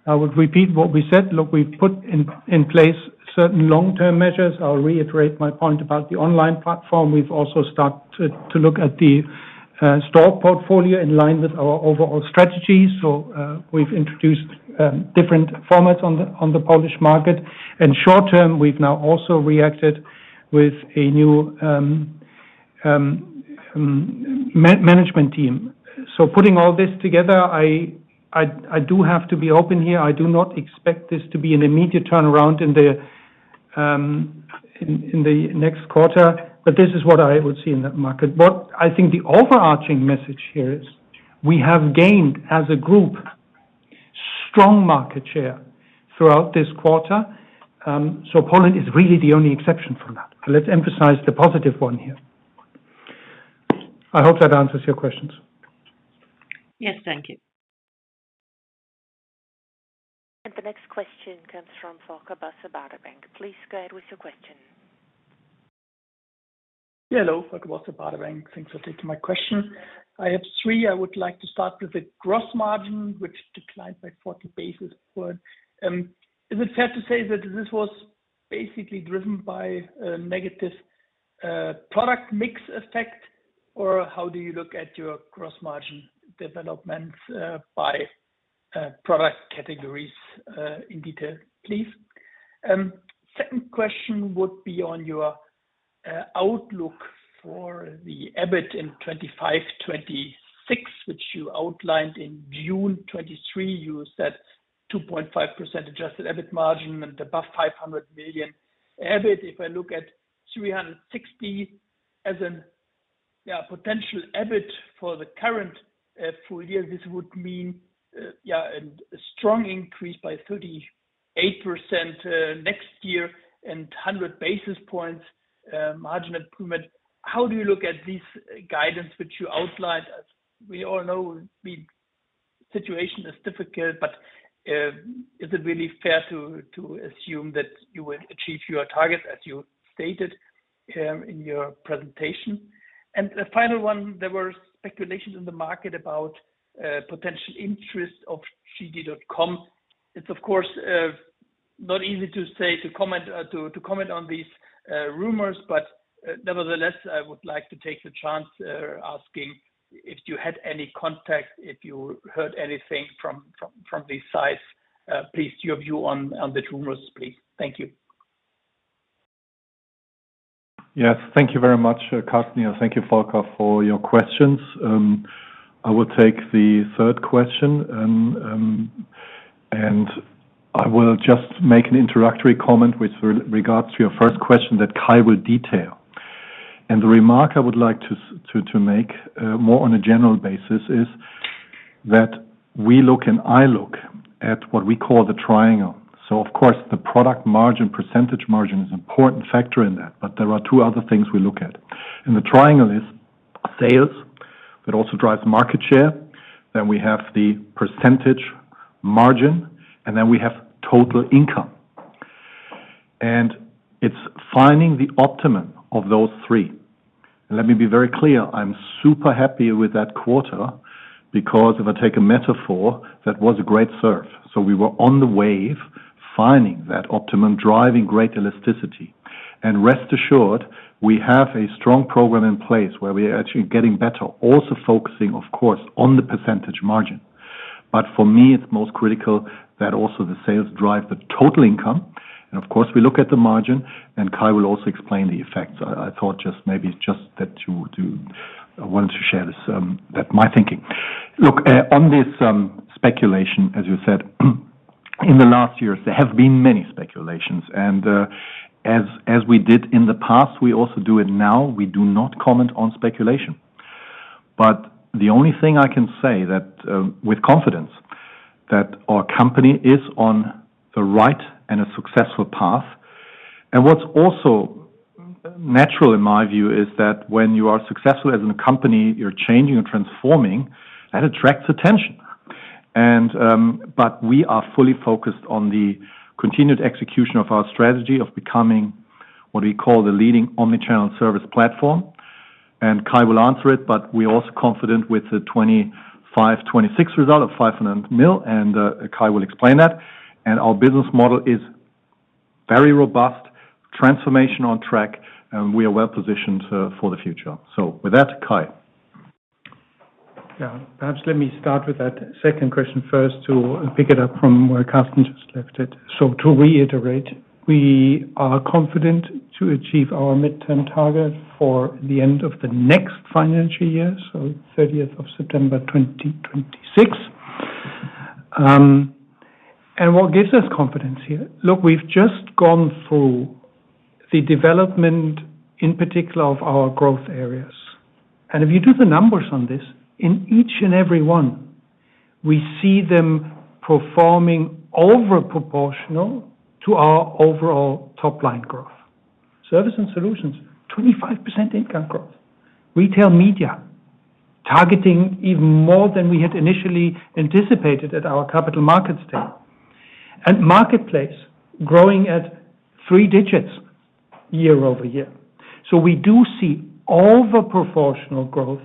Speaker 4: I would repeat what we said. Look, we've put in place certain long-term measures. I'll reiterate my point about the online platform. We've also started to look at the store portfolio in line with our overall strategy. So we've introduced different formats on the Polish market. And short term, we've now also reacted with a new management team. So putting all this together, I do have to be open here. I do not expect this to be an immediate turnaround in the next quarter, but this is what I would see in that market. What I think the overarching message here is we have gained as a group strong market share throughout this quarter. So Poland is really the only exception from that. Let's emphasize the positive one here. I hope that answers your questions.
Speaker 5: Yes, thank you.
Speaker 1: And the next question comes from Volker Bosse, Baader Bank. Please go ahead with your question.
Speaker 6: Yeah, hello. Volker Bosse, Baader Bank. Thanks for taking my question. I have three. I would like to start with the gross margin, which declined by 40 basis points. Is it fair to say that this was basically driven by a negative product mix effect, or how do you look at your gross margin development by product categories in detail, please? Second question would be on your outlook for the EBIT in 2025-2026, which you outlined in June 2023. You said 2.5% adjusted EBIT margin and above 500 million EBIT. If I look at 360 million as a potential EBIT for the current full year, this would mean a strong increase by 38% next year and 100 basis points margin improvement. How do you look at this guidance, which you outlined? We all know the situation is difficult, but is it really fair to assume that you would achieve your target, as you stated in your presentation? And the final one, there were speculations in the market about potential interest of JD.com. It's, of course, not easy to say to comment on these rumors, but nevertheless, I would like to take the chance asking if you had any contact, if you heard anything from these sites. Please give your view on the rumors, please. Thank you.
Speaker 3: Yes, thank you very much, Karsten. Thank you, Volker, for your questions. I will take the third question, and I will just make an introductory comment with regards to your first question that Kai will detail. The remark I would like to make more on a general basis is that we look and I look at what we call the triangle. So, of course, the product margin, percentage margin is an important factor in that, but there are two other things we look at. The triangle is sales, but also drives market share. Then we have the percentage margin, and then we have total income. And it's finding the optimum of those three. And let me be very clear. I'm super happy with that quarter because if I take a metaphor, that was a great surf. So we were on the wave finding that optimum, driving great elasticity. And rest assured, we have a strong program in place where we are actually getting better, also focusing, of course, on the percentage margin. But for me, it's most critical that also the sales drive the total income. And of course, we look at the margin, and Kai will also explain the effects. I thought just maybe just that I wanted to share my thinking. Look, on this speculation, as you said, in the last years, there have been many speculations. And as we did in the past, we also do it now. We do not comment on speculation, but the only thing I can say with confidence is that our company is on the right and a successful path, and what's also natural, in my view, is that when you are successful as a company, you're changing and transforming. That attracts attention, but we are fully focused on the continued execution of our strategy of becoming what we call the leading omnichannel service platform. Kai will answer it, but we are also confident with the 2025-2026 result of 500 million, and Kai will explain that. Our business model is very robust, transformation on track, and we are well positioned for the future. With that, Kai.
Speaker 4: Yeah, perhaps let me start with that second question first to pick it up from where Karsten just left it. To reiterate, we are confident to achieve our midterm target for the end of the next financial year, so 30th of September 2026. And what gives us confidence here? Look, we've just gone through the development, in particular, of our growth areas. And if you do the numbers on this, in each and every one, we see them performing overproportional to our overall top-line growth. Services & Solutions, 25% income growth. Retail Media targeting even more than we had initially anticipated at our capital markets there. And Marketplace growing at three digits year over year. So we do see overproportional growth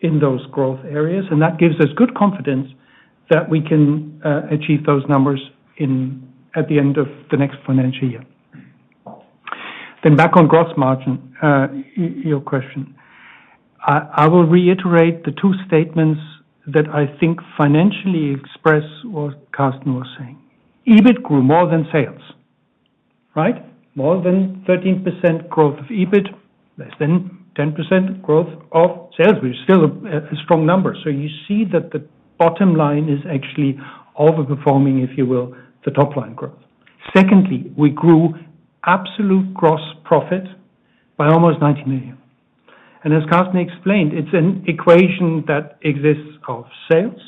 Speaker 4: in those growth areas, and that gives us good confidence that we can achieve those numbers at the end of the next financial year. Then back on gross margin, your question. I will reiterate the two statements that I think financially express what Karsten was saying. EBIT grew more than sales, right? More than 13% growth of EBIT, less than 10% growth of sales, which is still a strong number. So you see that the bottom line is actually overperforming, if you will, the top-line growth. Secondly, we grew absolute gross profit by almost 90 million. And as Karsten explained, it's an equation that exists of sales,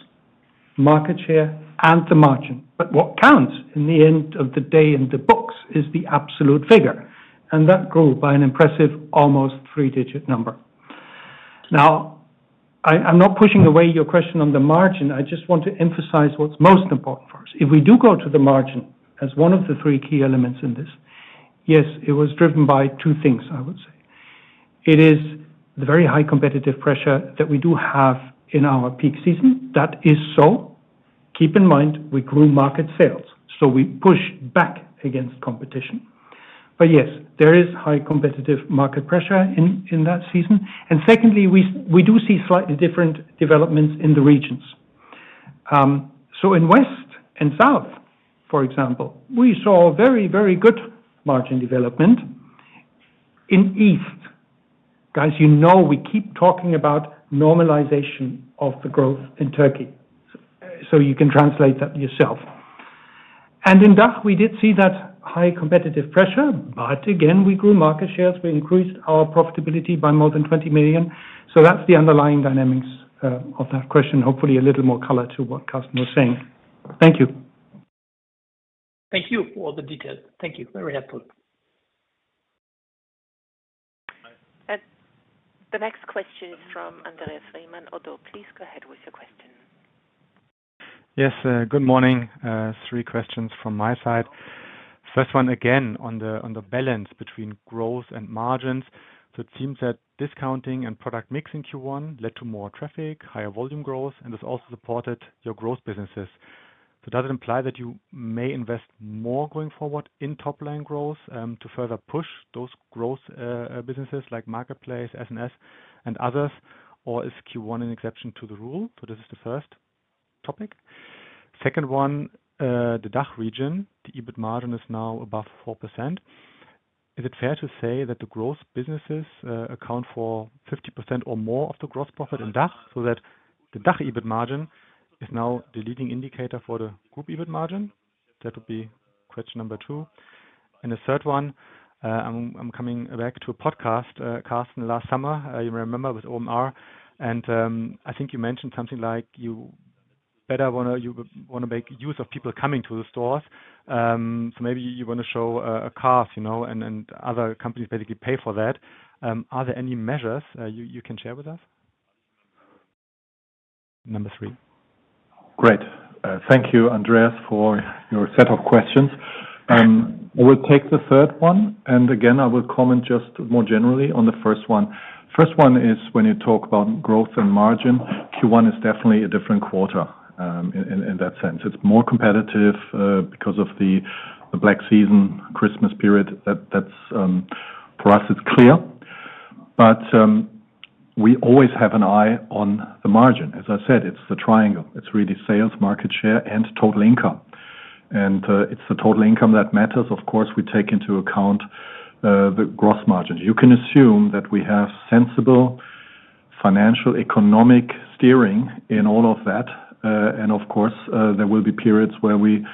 Speaker 4: market share, and the margin. But what counts in the end of the day in the books is the absolute figure. And that grew by an impressive almost three-digit number. Now, I'm not pushing away your question on the margin. I just want to emphasize what's most important for us. If we do go to the margin as one of the three key elements in this, yes, it was driven by two things, I would say. It is the very high competitive pressure that we do have in our peak season. That is so. Keep in mind, we grew market share, so we push back against competition. But yes, there is high competitive market pressure in that season. And secondly, we do see slightly different developments in the regions. So in West and South, for example, we saw very, very good margin development. In East, guys, you know we keep talking about normalization of the growth in Turkey. So you can translate that yourself. And in DACH, we did see that high competitive pressure, but again, we grew market shares. We increased our profitability by more than 20 million. So that's the underlying dynamics of that question. Hopefully, a little more color to what Karsten was saying. Thank you.
Speaker 6: Thank you for all the details. Thank you. Very helpful.
Speaker 1: The next question is from Andreas Riemann, ODDO please go ahead with your question.
Speaker 7: Yes, good morning. Three questions from my side. First one, again, on the balance between growth and margins. So it seems that discounting and product mix in Q1 led to more traffic, higher volume growth, and this also supported your growth businesses. So does it imply that you may invest more going forward in top-line growth to further push those growth businesses like Marketplace, S&S, and others, or is Q1 an exception to the rule? So this is the first topic. Second one, the DACH region, the EBIT margin is now above 4%. Is it fair to say that the growth businesses account for 50% or more of the gross profit in DACH? So that the DACH EBIT margin is now the leading indicator for the group EBIT margin? That would be question number two. And the third one, I'm coming back to a podcast, Karsten, last summer. You remember with OMR? And I think you mentioned something like you better want to make use of people coming to the stores. So maybe you want to show a car, and other companies basically pay for that. Are there any measures you can share with us? Number three.
Speaker 3: Great. Thank you, Andreas, for your set of questions. I will take the third one. And again, I will comment just more generally on the first one. First one is when you talk about growth and margin, Q1 is definitely a different quarter in that sense. It's more competitive because of the Black season, Christmas period. For us, it's clear. But we always have an eye on the margin. As I said, it's the triangle. It's really sales, market share, and total income. It's the total income that matters. Of course, we take into account the gross margin. You can assume that we have sensible financial economic steering in all of that. Of course, there will be periods where we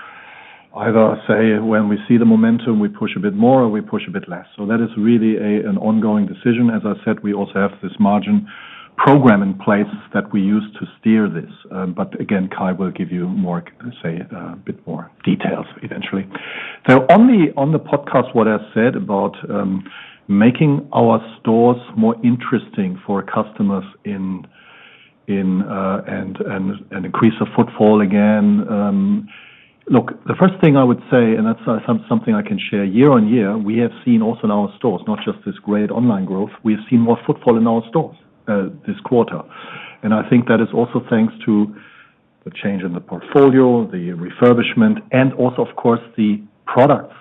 Speaker 3: either say when we see the momentum, we push a bit more, or we push a bit less. That is really an ongoing decision. As I said, we also have this margin program in place that we use to steer this. Again, Kai will give you more, say, a bit more details eventually. On the podcast, what I said about making our stores more interesting for customers and an increase of footfall again. Look, the first thing I would say, and that's something I can share year on year. We have seen also in our stores, not just this great online growth. We've seen more footfall in our stores this quarter, and I think that is also thanks to the change in the portfolio, the refurbishment, and also, of course, the products,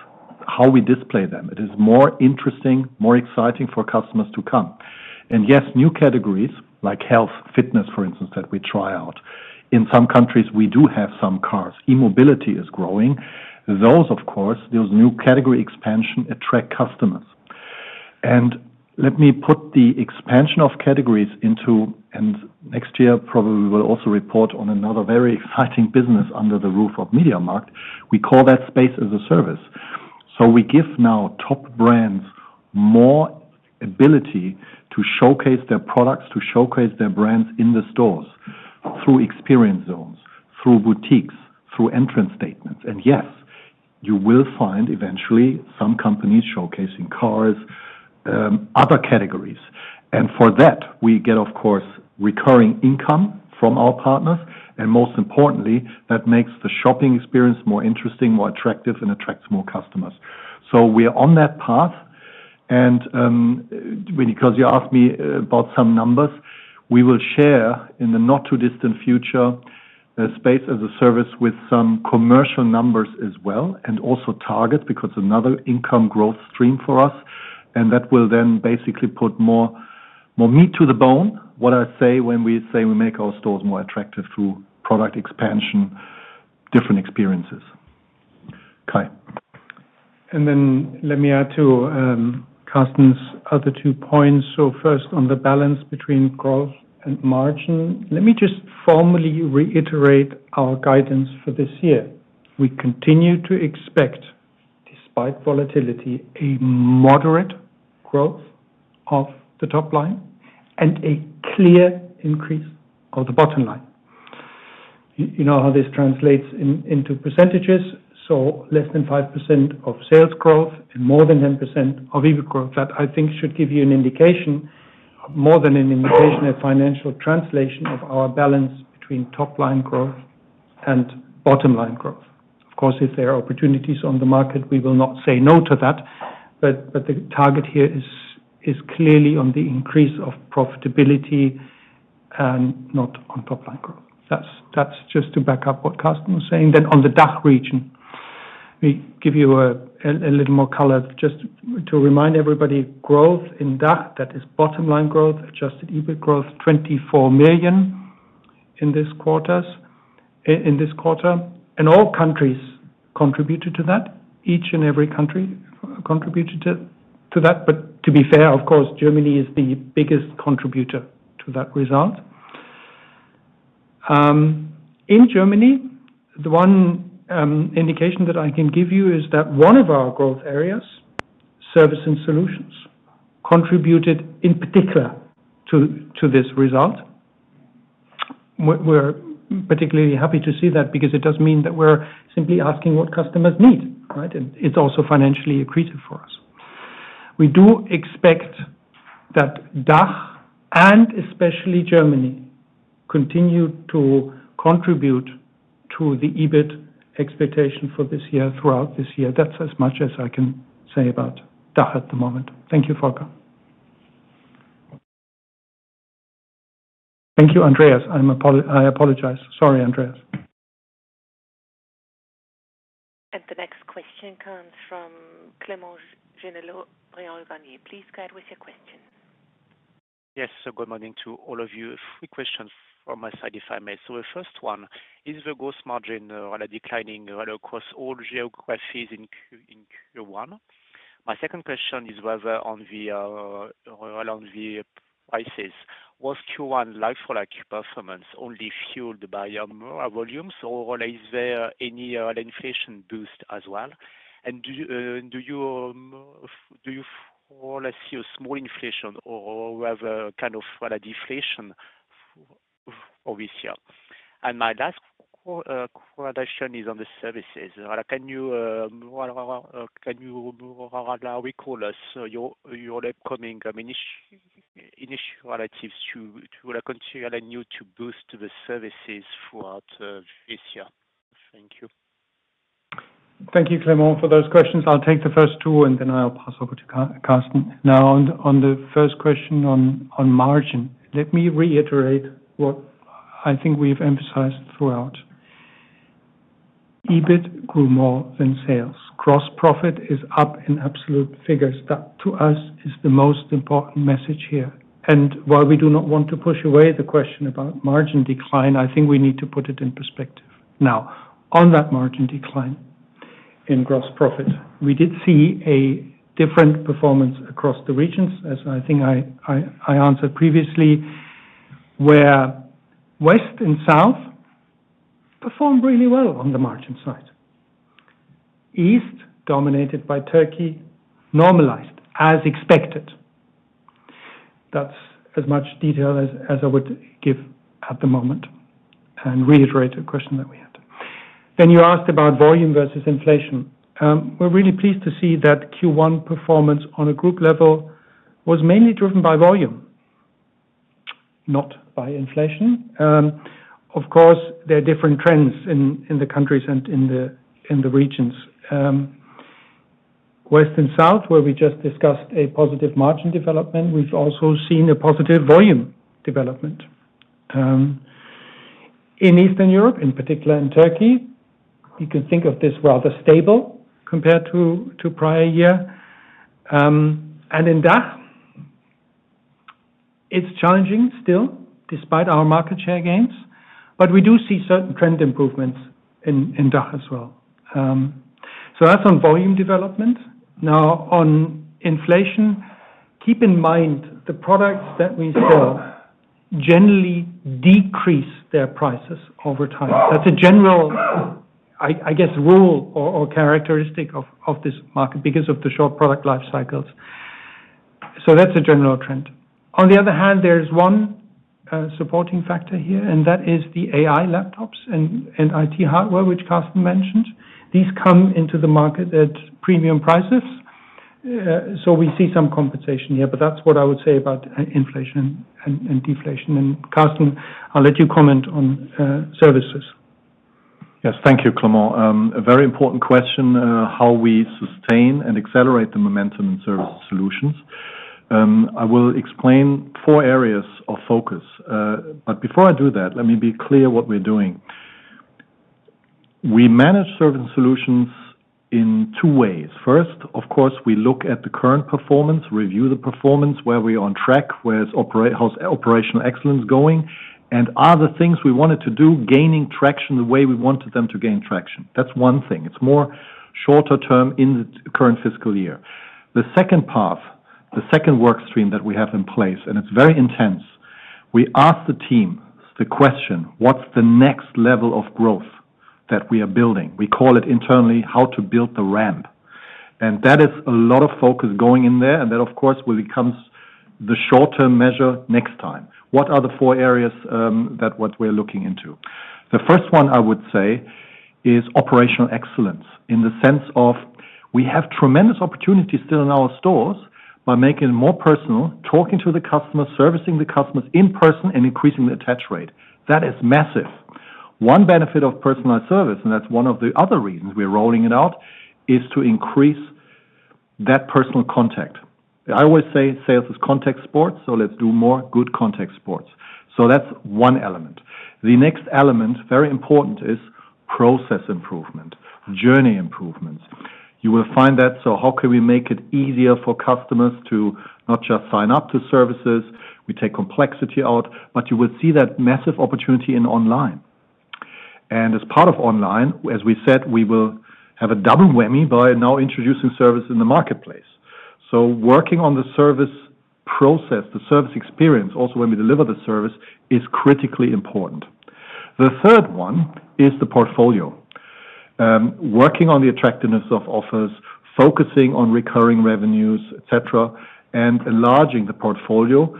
Speaker 3: how we display them. It is more interesting, more exciting for customers to come, and yes, new categories like health, fitness, for instance, that we try out. In some countries, we do have some cars. E-mobility is growing. Those, of course, those new category expansion attract customers, and let me put the expansion of categories into, and next year, probably we will also report on another very exciting business under the roof of MediaMarkt. We call that Space as a Service. So we give now top brands more ability to showcase their products, to showcase their brands in the stores through experience zones, through boutiques, through entrance statements. And yes, you will find eventually some companies showcasing cars, other categories. And for that, we get, of course, recurring income from our partners. And most importantly, that makes the shopping experience more interesting, more attractive, and attracts more customers. So we are on that path. And because you asked me about some numbers, we will share in the not-too-distant future Space as a Service with some commercial numbers as well, and also target because another income growth stream for us. And that will then basically put more meat to the bone, what I say when we say we make our stores more attractive through product expansion, different experiences. Kai.
Speaker 4: And then let me add to Karsten's other two points. So first, on the balance between growth and margin, let me just formally reiterate our guidance for this year. We continue to expect, despite volatility, a moderate growth of the top line and a clear increase of the bottom line. You know how this translates into percentages. So less than 5% of sales growth and more than 10% of EBIT growth. That I think should give you an indication, more than an indication, a financial translation of our balance between top-line growth and bottom-line growth. Of course, if there are opportunities on the market, we will not say no to that. But the target here is clearly on the increase of profitability and not on top-line growth. That's just to back up what Karsten was saying. Then on the DACH region, we give you a little more color just to remind everybody. Growth in DACH, that is bottom-line growth, Adjusted EBIT growth, 24 million in this quarter. All countries contributed to that. Each and every country contributed to that. But to be fair, of course, Germany is the biggest contributor to that result. In Germany, the one indication that I can give you is that one of our growth areas, Services & Solutions, contributed in particular to this result. We're particularly happy to see that because it does mean that we're simply asking what customers need, right? And it's also financially accretive for us. We do expect that DACH and especially Germany continue to contribute to the EBIT expectation for this year, throughout this year. That's as much as I can say about DACH at the moment. Thank you, Volker. Thank you, Andreas. I apologize. Sorry, Andreas.
Speaker 1: The next question comes from Clément Genelot, Bryan Garnier. Please go ahead with your question.
Speaker 8: Yes, so good morning to all of you. Three questions from my side, if I may. So the first one is the gross margin declining across all geographies in Q1. My second question is rather around the prices. Was Q1, like-for-like performance, only fueled by volumes, or is there any inflation boost as well? And do you see a small inflation or rather kind of deflation for this year? And my last question is on the services. Can you remind us of your upcoming initiatives to continue to boost the services throughout this year? Thank you.
Speaker 4: Thank you, Clément, for those questions. I'll take the first two, and then I'll pass over to Karsten. Now, on the first question on margin, let me reiterate what I think we've emphasized throughout. EBIT grew more than sales. Gross profit is up in absolute figures. That, to us, is the most important message here. And while we do not want to push away the question about margin decline, I think we need to put it in perspective. Now, on that margin decline in gross profit, we did see a different performance across the regions, as I think I answered previously, where West and South performed really well on the margin side. East, dominated by Turkey, normalized as expected. That's as much detail as I would give at the moment and reiterate a question that we had. Then you asked about volume versus inflation. We're really pleased to see that Q1 performance on a group level was mainly driven by volume, not by inflation. Of course, there are different trends in the countries and in the regions. West and South, where we just discussed a positive margin development, we've also seen a positive volume development. In Eastern Europe, in particular in Turkey, you can think of this rather stable compared to prior year. And in DACH, it's challenging still, despite our market share gains. But we do see certain trend improvements in DACH as well. So that's on volume development. Now, on inflation, keep in mind the products that we sell generally decrease their prices over time. That's a general, I guess, rule or characteristic of this market because of the short product life cycles. So that's a general trend. On the other hand, there's one supporting factor here, and that is the AI laptops and IT hardware, which Karsten mentioned. These come into the market at premium prices. So we see some compensation here, but that's what I would say about inflation and deflation. And Karsten, I'll let you comment on services.
Speaker 3: Yes, thank you, Clément. A very important question: how we sustain and accelerate the momentum in Services & Solutions. I will explain four areas of focus, but before I do that, let me be clear what we're doing. We manage Services & Solutions in two ways. First, of course, we look at the current performance, review the performance, where we are on track, where's operational excellence going, and other things we wanted to do, gaining traction the way we wanted them to gain traction. That's one thing. It's more shorter term in the current fiscal year. The second path, the second work stream that we have in place, and it's very intense. We ask the team the question, what's the next level of growth that we are building? We call it internally how to build the ramp, and that is a lot of focus going in there. That, of course, will become the short-term measure next time. What are the four areas that we're looking into? The first one, I would say, is operational excellence in the sense of we have tremendous opportunities still in our stores by making it more personal, talking to the customers, servicing the customers in person, and increasing the attach rate. That is massive. One benefit of personalized service, and that's one of the other reasons we're rolling it out, is to increase that personal contact. I always say sales is contact sports, so let's do more good contact sports. That's one element. The next element, very important, is process improvement, journey improvements. You will find that. How can we make it easier for customers to not just sign up to services? We take complexity out, but you will see that massive opportunity in online. And as part of online, as we said, we will have a double whammy by now introducing service in the Marketplace, so working on the service process, the service experience, also when we deliver the service, is critically important. The third one is the portfolio, working on the attractiveness of offers, focusing on recurring revenues, etc., and enlarging the portfolio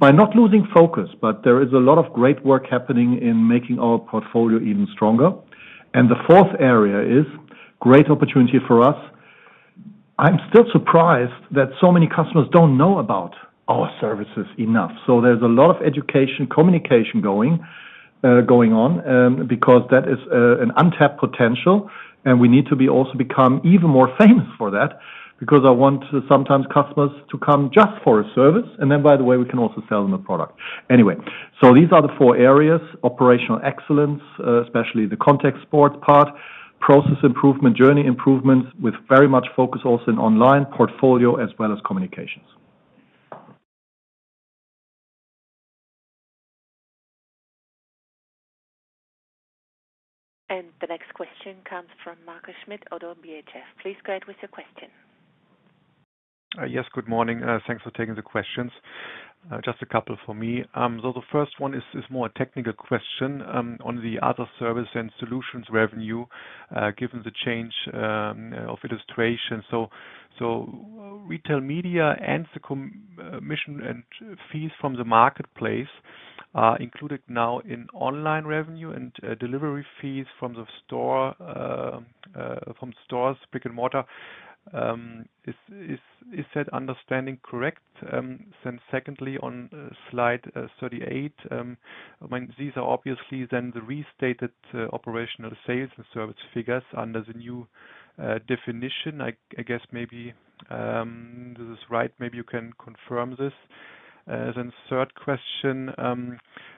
Speaker 3: by not losing focus. But there is a lot of great work happening in making our portfolio even stronger, and the fourth area is great opportunity for us. I'm still surprised that so many customers don't know about our services enough, so there's a lot of education, communication going on because that is an untapped potential, and we need to also become even more famous for that because I want sometimes customers to come just for a service, and then, by the way, we can also sell them a product. Anyway, so these are the four areas: operational excellence, especially the contact sports part, process improvement, journey improvements with very much focus also in online portfolio as well as communications.
Speaker 1: And the next question comes from Markus Schmitt, ODDO BHF. Please go ahead with your question.
Speaker 9: Yes, good morning. Thanks for taking the questions. Just a couple for me. So the first one is more a technical question on the Operational Services & Solutions revenue given the change in classification. So Retail Media and the commission and fees from the Marketplace are included now in online revenue and delivery fees from the stores, brick-and-mortar. Is that understanding correct? Then secondly, on slide 38, these are obviously then the restated operational sales and service figures under the new definition. I guess maybe this is right. Maybe you can confirm this. Then, third question,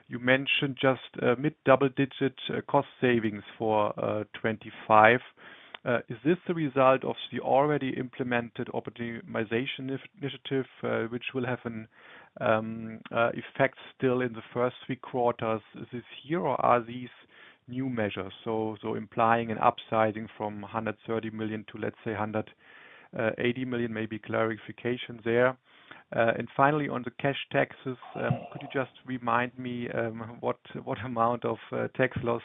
Speaker 9: you mentioned just mid-double-digit cost savings for 2025. Is this the result of the already implemented optimization initiative, which will have an effect still in the first three quarters this year, or are these new measures? So implying an upsizing from 130 million to, let's say, 180 million, maybe clarification there. And finally, on the cash taxes, could you just remind me what amount of tax loss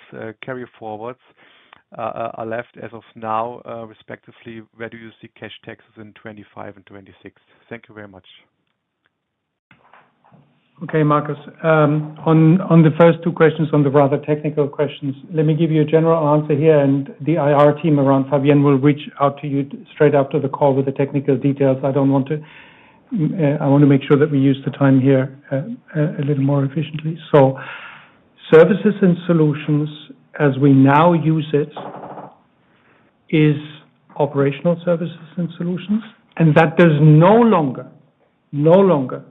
Speaker 9: carryforwards are left as of now, respectively? Where do you see cash taxes in 2025 and 2026? Thank you very much.
Speaker 3: Okay, Markus. On the first two questions, on the rather technical questions, let me give you a general answer here, and the IR team around Fabienne will reach out to you straight after the call with the technical details. I don't want to. I want to make sure that we use the time here a little more efficiently, so Services & Solutions, as we now use it, is Operational Services & Solutions, and that does no longer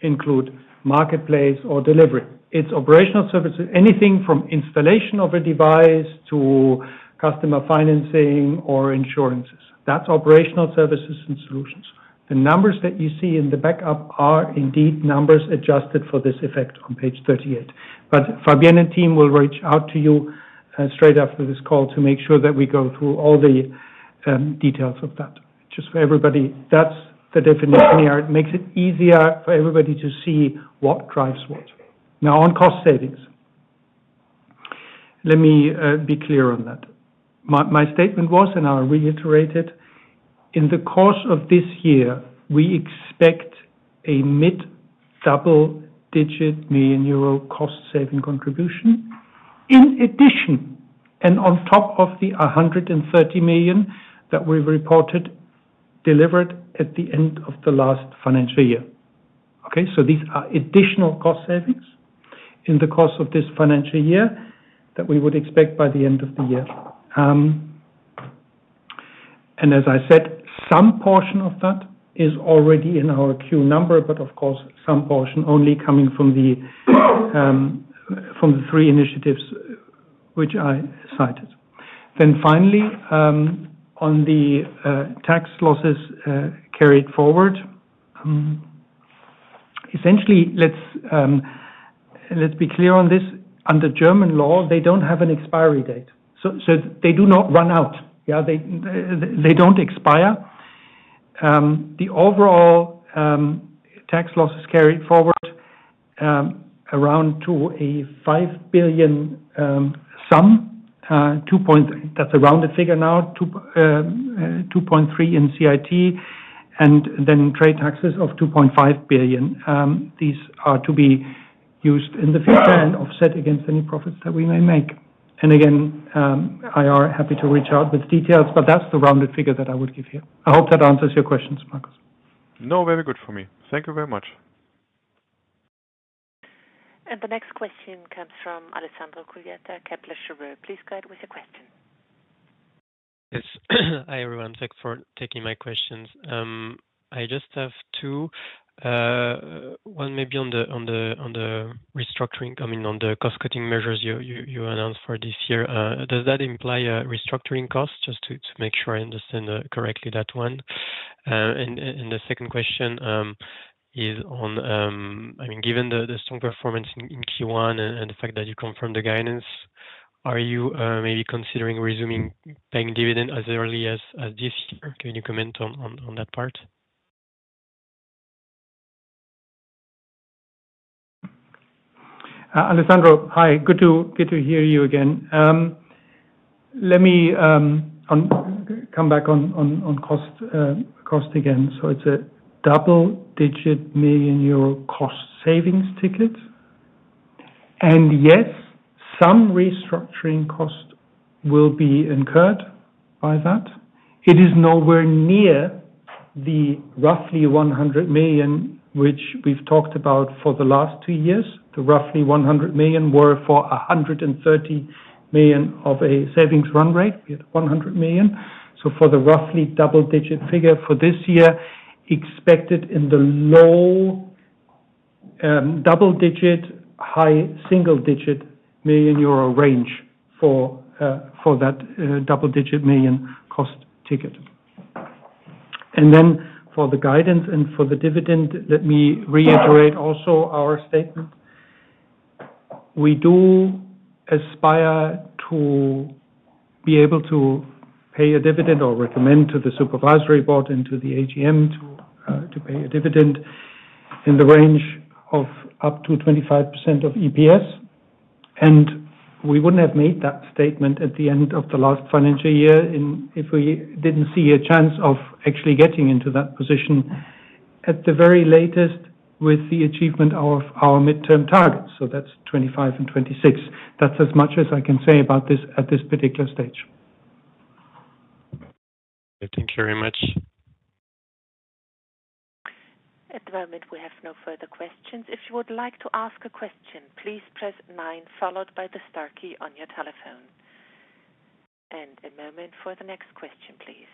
Speaker 3: include Marketplace or delivery. It's operational services, anything from installation of a device to customer financing or insurances. That's Operational Services & Solutions. The numbers that you see in the backup are indeed numbers adjusted for this effect on page 38, but Fabienne and team will reach out to you straight after this call to make sure that we go through all the details of that. Just for everybody, that's the definition here. It makes it easier for everybody to see what drives what. Now, on cost savings, let me be clear on that. My statement was, and I'll reiterate it, in the course of this year, we expect a mid-double-digit million Euro cost saving contribution in addition and on top of the 130 million that we've reported delivered at the end of the last financial year. Okay? So these are additional cost savings in the course of this financial year that we would expect by the end of the year. And as I said, some portion of that is already in our Q number, but of course, some portion only coming from the three initiatives which I cited. Then finally, on the tax losses carried forward, essentially, let's be clear on this. Under German law, they don't have an expiry date. So they do not run out. They don't expire. The overall tax losses carried forward amount to around a 5 billion sum. That's a rounded figure: now, 2.3 billion in CIT, and then trade taxes of 2.5 billion. These are to be used in the future and offset against any profits that we may make. And again, IR happy to reach out with details, but that's the rounded figure that I would give here. I hope that answers your questions, Markus.
Speaker 9: No, very good for me. Thank you very much.
Speaker 1: The next question comes from Alessandro Cuglietta, Kepler Cheuvreux. Please go ahead with your question.
Speaker 10: Yes. Hi, everyone. Thanks for taking my questions. I just have two. One may be on the restructuring, I mean, on the cost-cutting measures you announced for this year. Does that imply restructuring costs? Just to make sure I understand correctly that one. The second question is on, I mean, given the strong performance in Q1 and the fact that you confirmed the guidance, are you maybe considering resuming paying dividend as early as this year? Can you comment on that part?
Speaker 4: Alessandro, hi. Good to hear you again. Let me come back on cost again. So it's a double-digit million euro cost savings ticket. And yes, some restructuring cost will be incurred by that. It is nowhere near the roughly 100 million which we've talked about for the last two years. The roughly 100 million were for 130 million of a savings run rate. We had 100 million. So for the roughly double-digit figure for this year, expected in the low double-digit, high single-digit million euro range for that double-digit million cost ticket. And then for the guidance and for the dividend, let me reiterate also our statement. We do aspire to be able to pay a dividend or recommend to the Supervisory Board and to the AGM to pay a dividend in the range of up to 25% of EPS. And we wouldn't have made that statement at the end of the last financial year if we didn't see a chance of actually getting into that position at the very latest with the achievement of our midterm targets. So that's 2025 and 2026. That's as much as I can say about this at this particular stage.
Speaker 10: Thank you very much.
Speaker 1: At the moment, we have no further questions. If you would like to ask a question, please press nine followed by the star key on your telephone. And a moment for the next question, please.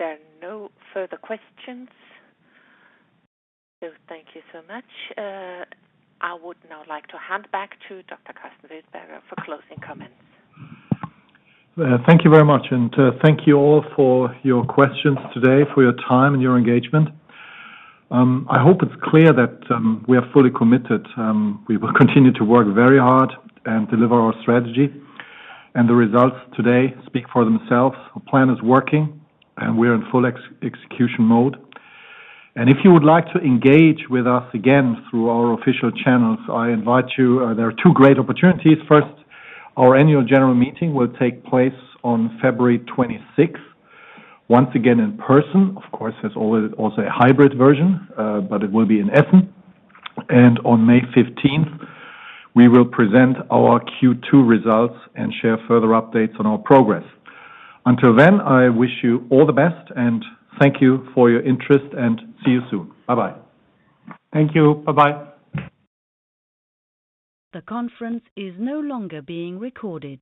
Speaker 1: There are no further questions. So thank you so much. I would now like to hand back to Dr. Karsten Wildberger for closing comments.
Speaker 3: Thank you very much. And thank you all for your questions today, for your time and your engagement. I hope it's clear that we are fully committed. We will continue to work very hard and deliver our strategy. And the results today speak for themselves. Our plan is working, and we are in full execution mode. And if you would like to engage with us again through our official channels, I invite you. There are two great opportunities. First, our Annual General Meeting will take place on February 26th, once again in person, of course, as always, also a hybrid version, but it will be in Essen. And on May 15th, we will present our Q2 results and share further updates on our progress. Until then, I wish you all the best, and thank you for your interest, and see you soon. Bye-bye.
Speaker 4: Thank you. Bye-bye.
Speaker 1: The conference is no longer being recorded.